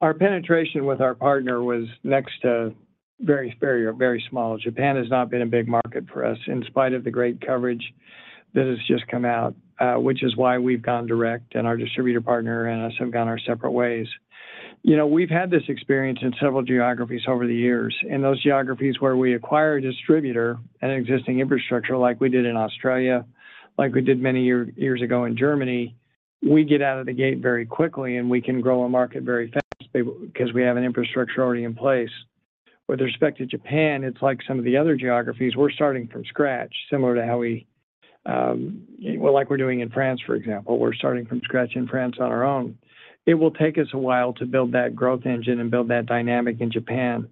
Our penetration with our partner was next to very small. Japan has not been a big market for us in spite of the great coverage that has just come out, which is why we've gone direct and our distributor partner, and us have gone our separate ways. We've had this experience in several geographies over the years. In those geographies where we acquire a distributor and existing infrastructure like we did in Australia, like we did many years ago in Germany, we get out of the gate very quickly, and we can grow a market very fast because we have an infrastructure already in place. With respect to Japan, it's like some of the other geographies. We're starting from scratch, similar to how we, well, like we're doing in France, for example. We're starting from scratch in France on our own. It will take us a while to build that growth engine and build that dynamic in Japan.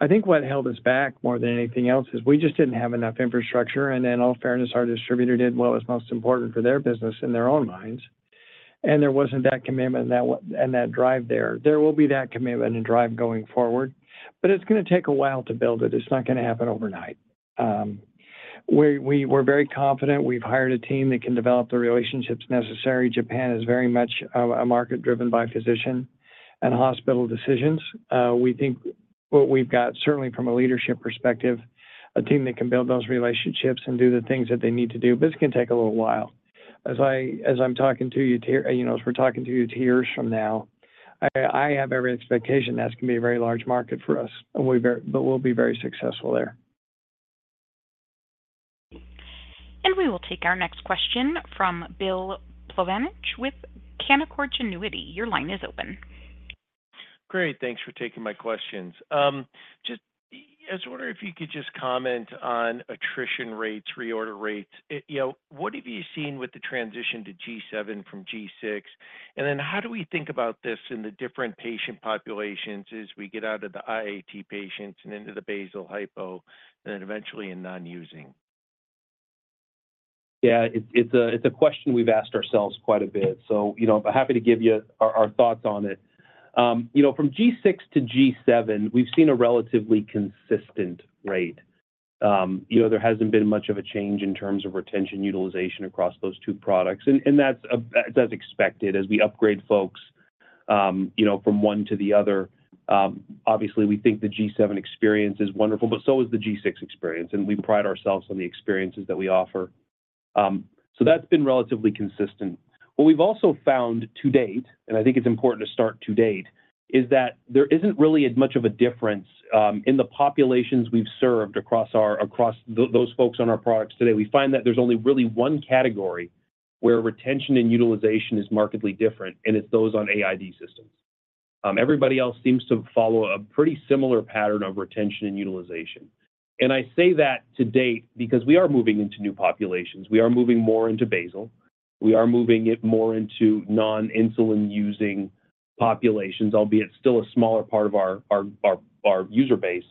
I think what held us back more than anything else is we just didn't have enough infrastructure. And in all fairness, our distributor did what was most important for their business in their own minds, and there wasn't that commitment and that drive there. There will be that commitment and drive going forward, but it's going to take a while to build it. It's not going to happen overnight. We're very confident. We've hired a team that can develop the relationships necessary. Japan is very much a market driven by physician and hospital decisions. We think what we've got, certainly from a leadership perspective, a team that can build those relationships and do the things that they need to do, but it's going to take a little while. As I'm talking to you, as we're talking to you years from now, I have every expectation that's going to be a very large market for us, but we'll be very successful there. We will take our next question from Bill Plovanic with Canaccord Genuity. Your line is open. Great. Thanks for taking my questions. Just, I wonder if you could just comment on attrition rates, reorder rates. What have you seen with the transition to G7 from G6? And then how do we think about this in the different patient populations as we get out of the AID patients and into the basal hypo and then eventually in non-using? Yeah. It's a question we've asked ourselves quite a bit. So I'm happy to give you our thoughts on it. From G6 to G7, we've seen a relatively consistent rate. There hasn't been much of a change in terms of retention utilization across those two products, and that's as expected as we upgrade folks from one to the other. Obviously, we think the G7 experience is wonderful, but so is the G6 experience. And we pride ourselves on the experiences that we offer. So that's been relatively consistent. What we've also found to date, and I think it's important to start to date, is that there isn't really much of a difference in the populations we've served across those folks on our products today. We find that there's only really one category where retention and utilization is markedly different, and it's those on AID systems. Everybody else seems to follow a pretty similar pattern of retention and utilization. And I say that to date because we are moving into new populations. We are moving more into basal. We are moving it more into non-insulin using populations, albeit still a smaller part of our user base.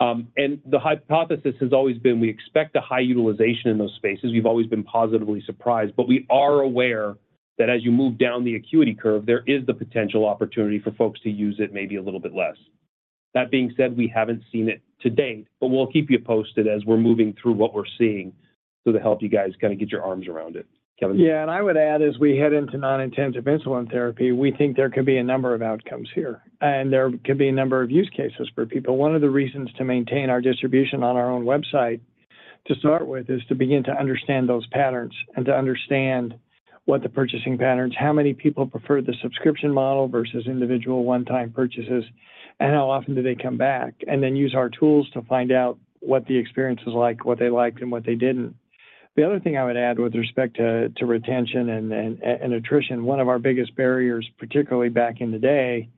And the hypothesis has always been we expect a high utilization in those spaces. We've always been positively surprised, but we are aware that as you move down the acuity curve, there is the potential opportunity for folks to use it maybe a little bit less. That being said, we haven't seen it to date, but we'll keep you posted as we're moving through what we're seeing to help you guys kind of get your arms around it. Kevin? Yeah. I would add as we head into non-intensive insulin therapy, we think there could be a number of outcomes here, and there could be a number of use cases for people. One of the reasons to maintain our distribution on our own website to start with is to begin to understand those patterns and to understand what the purchasing patterns, how many people prefer the subscription model versus individual one-time purchases, and how often do they come back, and then use our tools to find out what the experience was like, what they liked, and what they didn't. The other thing I would add with respect to retention and attrition, one of our biggest barriers, particularly back in the day,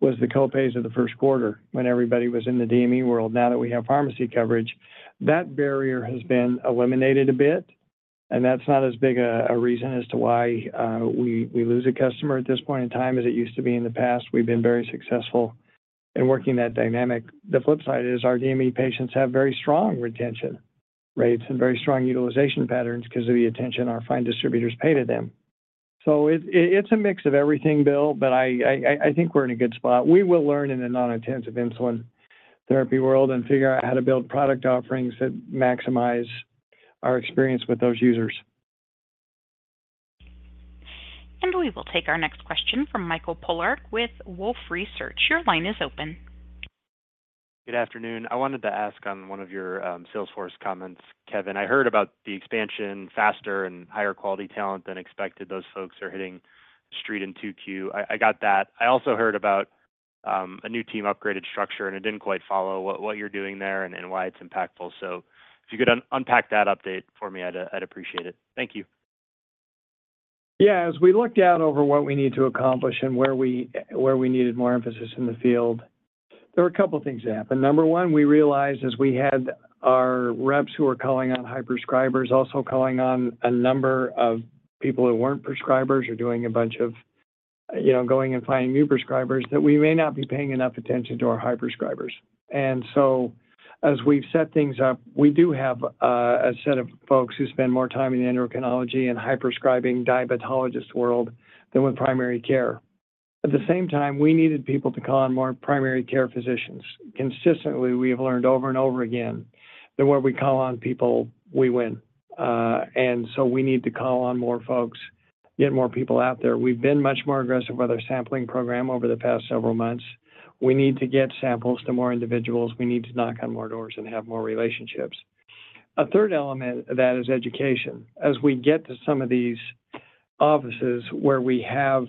was the copays of the first quarter when everybody was in the DME world. Now that we have pharmacy coverage, that barrier has been eliminated a bit, and that's not as big a reason as to why we lose a customer at this point in time as it used to be in the past. We've been very successful in working that dynamic. The flip side is our DME patients have very strong retention rates and very strong utilization patterns because of the attention our fine distributors pay to them. So it's a mix of everything, Bill, but I think we're in a good spot. We will learn in the non-intensive insulin therapy world and figure out how to build product offerings that maximize our experience with those users. We will take our next question from Michael Polark with Wolfe Research. Your line is open. Good afternoon. I wanted to ask on one of your sales force comments, Kevin. I heard about the expansion faster and higher quality talent than expected. Those folks are hitting the street in 2Q. I got that. I also heard about a new team upgraded structure, and I didn't quite follow what you're doing there and why it's impactful. So if you could unpack that update for me, I'd appreciate it. Thank you. Yeah. As we looked out over what we need to accomplish and where we needed more emphasis in the field, there were a couple of things that happened. Number one, we realized as we had our reps who were calling on high prescribers, also calling on a number of people who weren't prescribers or doing a bunch of going and finding new prescribers, that we may not be paying enough attention to our high prescribers. And so as we've set things up, we do have a set of folks who spend more time in the endocrinology and high prescribing diabetologist world than with primary care. At the same time, we needed people to call on more primary care physicians. Consistently, we have learned over and over again that where we call on people, we win. And so we need to call on more folks, get more people out there. We've been much more aggressive with our sampling program over the past several months. We need to get samples to more individuals. We need to knock on more doors and have more relationships. A third element of that is education. As we get to some of these offices where we have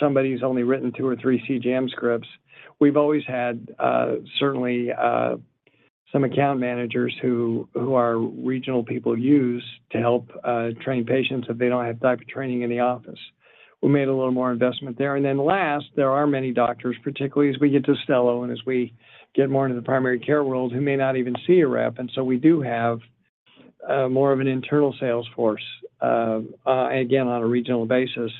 somebody who's only written two or three CGM scripts, we've always had certainly some account managers who our regional people use to help train patients if they don't have diabetes training in the office. We made a little more investment there. And then last, there are many doctors, particularly as we get to Stelo and as we get more into the primary care world, who may not even see a rep. And so we do have more of an internal sales force, again, on a regional basis,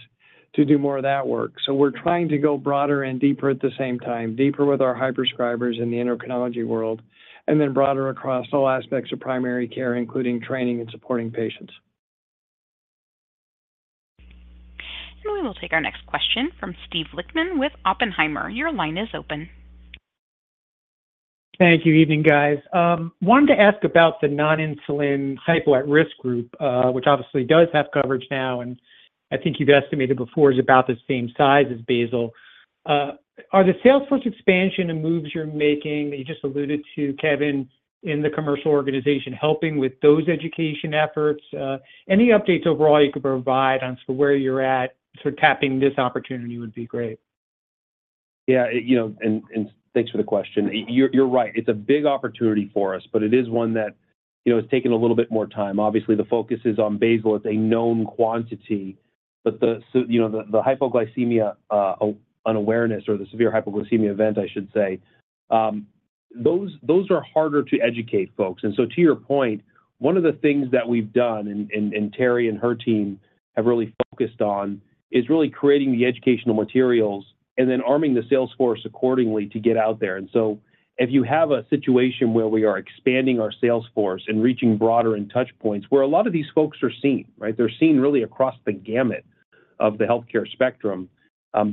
to do more of that work. We're trying to go broader and deeper at the same time, deeper with our high prescribers in the endocrinology world, and then broader across all aspects of primary care, including training and supporting patients. We will take our next question from Steve Lichtman with Oppenheimer. Your line is open. Thank you. Evening, guys. Wanted to ask about the non-insulin hypo at risk group, which obviously does have coverage now, and I think you've estimated before is about the same size as basal. Are the sales force expansion and moves you're making that you just alluded to, Kevin, in the commercial organization helping with those education efforts? Any updates overall you could provide on where you're at sort of tapping this opportunity would be great. Yeah. Thanks for the question. You're right. It's a big opportunity for us, but it is one that has taken a little bit more time. Obviously, the focus is on basal. It's a known quantity. But the hypoglycemia unawareness or the severe hypoglycemia event, I should say, those are harder to educate folks. And so to your point, one of the things that we've done and Teri and her team have really focused on is really creating the educational materials and then arming the sales force accordingly to get out there. And so if you have a situation where we are expanding our sales force and reaching broader and touch points where a lot of these folks are seen, right, they're seen really across the gamut of the healthcare spectrum,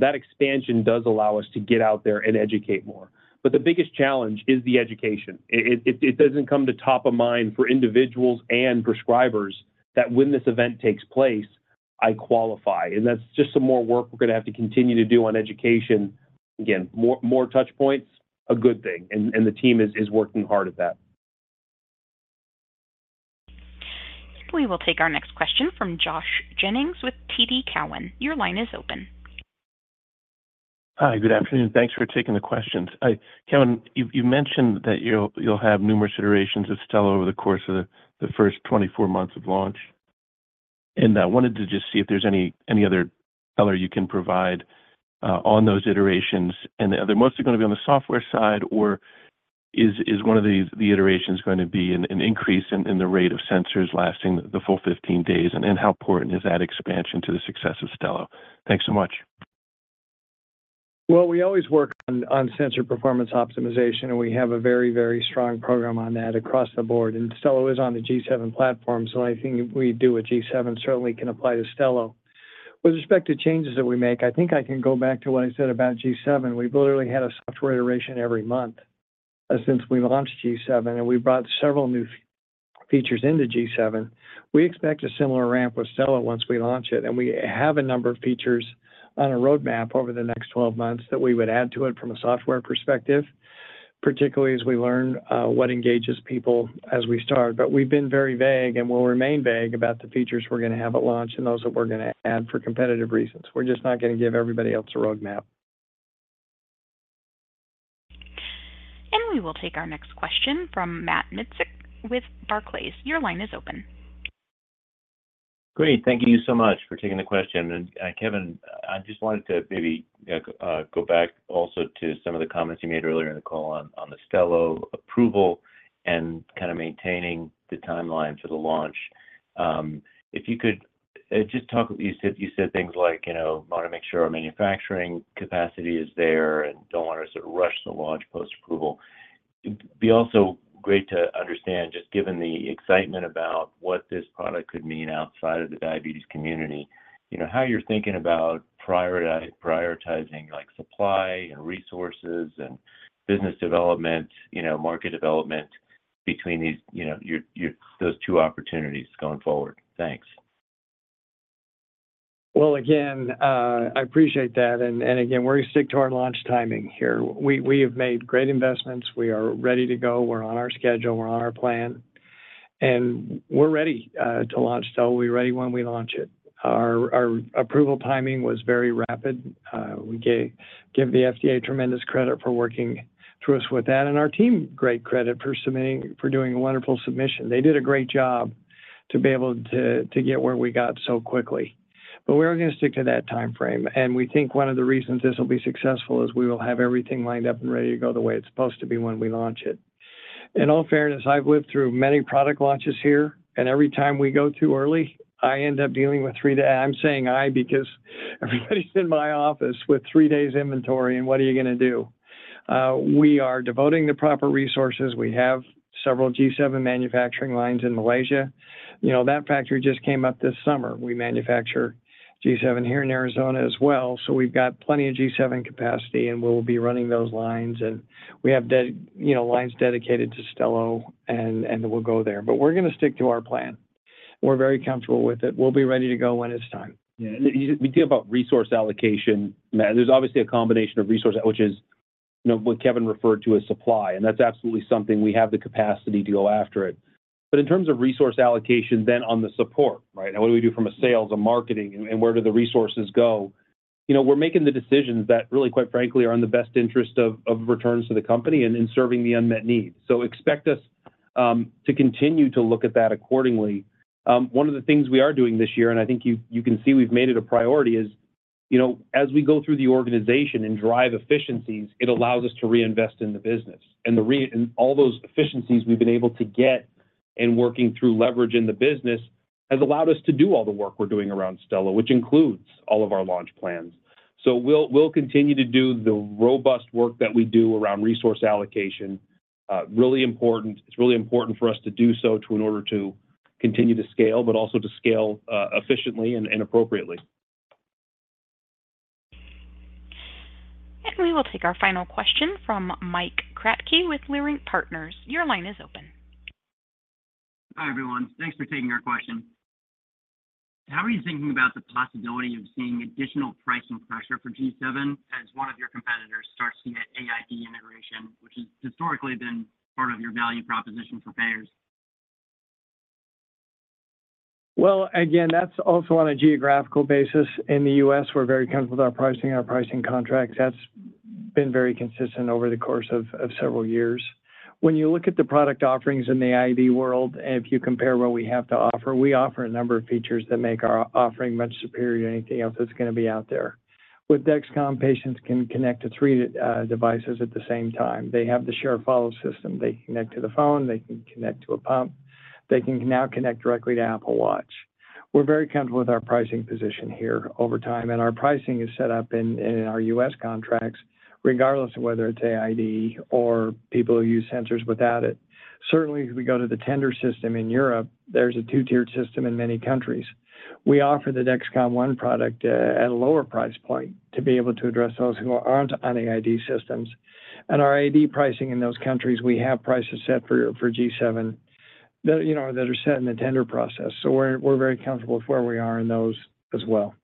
that expansion does allow us to get out there and educate more. But the biggest challenge is the education. It doesn't come to top of mind for individuals and prescribers that when this event takes place, I qualify. That's just some more work we're going to have to continue to do on education. Again, more touch points, a good thing. The team is working hard at that. We will take our next question from Josh Jennings with TD Cowen. Your line is open. Hi. Good afternoon. Thanks for taking the questions. Kevin, you mentioned that you'll have numerous iterations of Stelo over the course of the first 24 months of launch. I wanted to just see if there's any other color you can provide on those iterations. Are they mostly going to be on the software side, or is one of the iterations going to be an increase in the rate of sensors lasting the full 15 days, and how important is that expansion to the success of Stelo? Thanks so much. Well, we always work on sensor performance optimization, and we have a very, very strong program on that across the board. And Stelo is on the G7 platform, so anything we do with G7 certainly can apply to Stelo. With respect to changes that we make, I think I can go back to what I said about G7. We've literally had a software iteration every month since we launched G7, and we brought several new features into G7. We expect a similar ramp with Stelo once we launch it. And we have a number of features on a roadmap over the next 12 months that we would add to it from a software perspective, particularly as we learn what engages people as we start. But we've been very vague and will remain vague about the features we're going to have at launch and those that we're going to add for competitive reasons. We're just not going to give everybody else a roadmap. We will take our next question from Matt Miksic with Barclays. Your line is open. Great. Thank you so much for taking the question. And Kevin, I just wanted to maybe go back also to some of the comments you made earlier in the call on the Stelo approval and kind of maintaining the timeline for the launch. If you could just talk you said things like, "Want to make sure our manufacturing capacity is there and don't want to sort of rush the launch post-approval." It'd be also great to understand, just given the excitement about what this product could mean outside of the diabetes community, how you're thinking about prioritizing supply and resources and business development, market development between those two opportunities going forward. Thanks. Well, again, I appreciate that. And again, we're going to stick to our launch timing here. We have made great investments. We are ready to go. We're on our schedule. We're on our plan. And we're ready to launch Stelo. We're ready when we launch it. Our approval timing was very rapid. We give the FDA tremendous credit for working through us with that and our team great credit for doing a wonderful submission. They did a great job to be able to get where we got so quickly. But we are going to stick to that timeframe. And we think one of the reasons this will be successful is we will have everything lined up and ready to go the way it's supposed to be when we launch it. In all fairness, I've lived through many product launches here, and every time we go too early, I end up dealing with three days. I'm saying I because everybody's in my office with three days inventory, and what are you going to do? We are devoting the proper resources. We have several G7 manufacturing lines in Malaysia. That factory just came up this summer. We manufacture G7 here in Arizona as well. So we've got plenty of G7 capacity, and we'll be running those lines. And we have lines dedicated to Stelo, and we'll go there. But we're going to stick to our plan. We're very comfortable with it. We'll be ready to go when it's time. Yeah. And you said we talk about resource allocation. Matt, there's obviously a combination of resource, which is what Kevin referred to as supply. And that's absolutely something we have the capacity to go after it. But in terms of resource allocation, then on the support, right, now, what do we do from a sales, a marketing, and where do the resources go? We're making the decisions that really, quite frankly, are in the best interest of returns to the company and serving the unmet need. So expect us to continue to look at that accordingly. One of the things we are doing this year, and I think you can see we've made it a priority, is as we go through the organization and drive efficiencies, it allows us to reinvest in the business. All those efficiencies we've been able to get and working through leverage in the business has allowed us to do all the work we're doing around Stelo, which includes all of our launch plans. We'll continue to do the robust work that we do around resource allocation. It's really important for us to do so in order to continue to scale, but also to scale efficiently and appropriately. We will take our final question from Mike Kratky with Leerink Partners. Your line is open. Hi, everyone. Thanks for taking our question. How are you thinking about the possibility of seeing additional pricing pressure for G7 as one of your competitors starts to get AID integration, which has historically been part of your value proposition for payers? Well, again, that's also on a geographical basis. In the U.S., we're very comfortable with our pricing and our pricing contracts. That's been very consistent over the course of several years. When you look at the product offerings in the AID world, and if you compare what we have to offer, we offer a number of features that make our offering much superior to anything else that's going to be out there. With Dexcom, patients can connect to three devices at the same time. They have the Share Follow system. They can connect to the phone. They can connect to a pump. They can now connect directly to Apple Watch. We're very comfortable with our pricing position here over time. And our pricing is set up in our U.S. contracts, regardless of whether it's AID or people who use sensors without it. Certainly, if we go to the tender system in Europe, there's a two-tiered system in many countries. We offer the Dexcom ONE product at a lower price point to be able to address those who aren't on AID systems. Our AID pricing in those countries, we have prices set for G7 that are set in the tender process. We're very comfortable with where we are in those as well.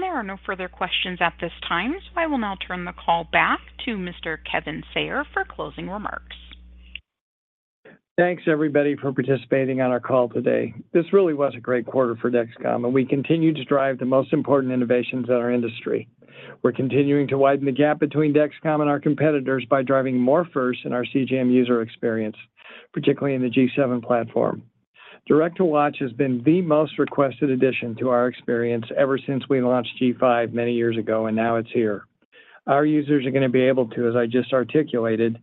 There are no further questions at this time. I will now turn the call back to Mr. Kevin Sayer for closing remarks. Thanks, everybody, for participating on our call today. This really was a great quarter for Dexcom, and we continue to drive the most important innovations in our industry. We're continuing to widen the gap between Dexcom and our competitors by driving more first in our CGM user experience, particularly in the G7 platform. Direct to Watch has been the most requested addition to our experience ever since we launched G5 many years ago, and now it's here. Our users are going to be able to, as I just articulated,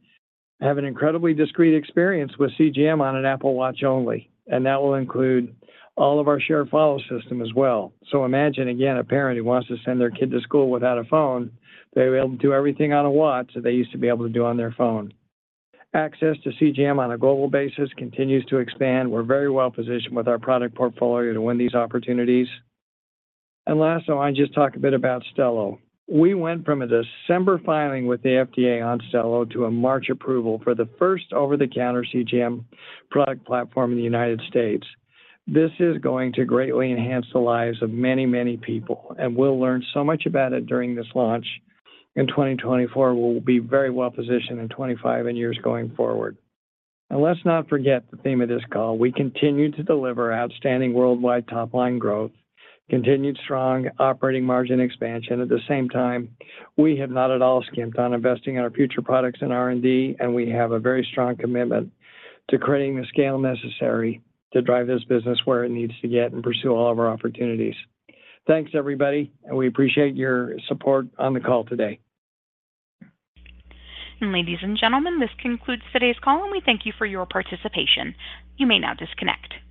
have an incredibly discrete experience with CGM on an Apple Watch only. And that will include all of our Share Follow system as well. So imagine, again, a parent who wants to send their kid to school without a phone. They're able to do everything on a watch that they used to be able to do on their phone. Access to CGM on a global basis continues to expand. We're very well positioned with our product portfolio to win these opportunities. And last, I want to just talk a bit about Stelo. We went from a December filing with the FDA on Stelo to a March approval for the first over-the-counter CGM product platform in the United States. This is going to greatly enhance the lives of many, many people. And we'll learn so much about it during this launch in 2024. We'll be very well positioned in 2025 and years going forward. And let's not forget the theme of this call. We continue to deliver outstanding worldwide top-line growth, continued strong operating margin expansion. At the same time, we have not at all skimped on investing in our future products and R&D, and we have a very strong commitment to creating the scale necessary to drive this business where it needs to get and pursue all of our opportunities. Thanks, everybody. We appreciate your support on the call today. Ladies and gentlemen, this concludes today's call, and we thank you for your participation. You may now disconnect.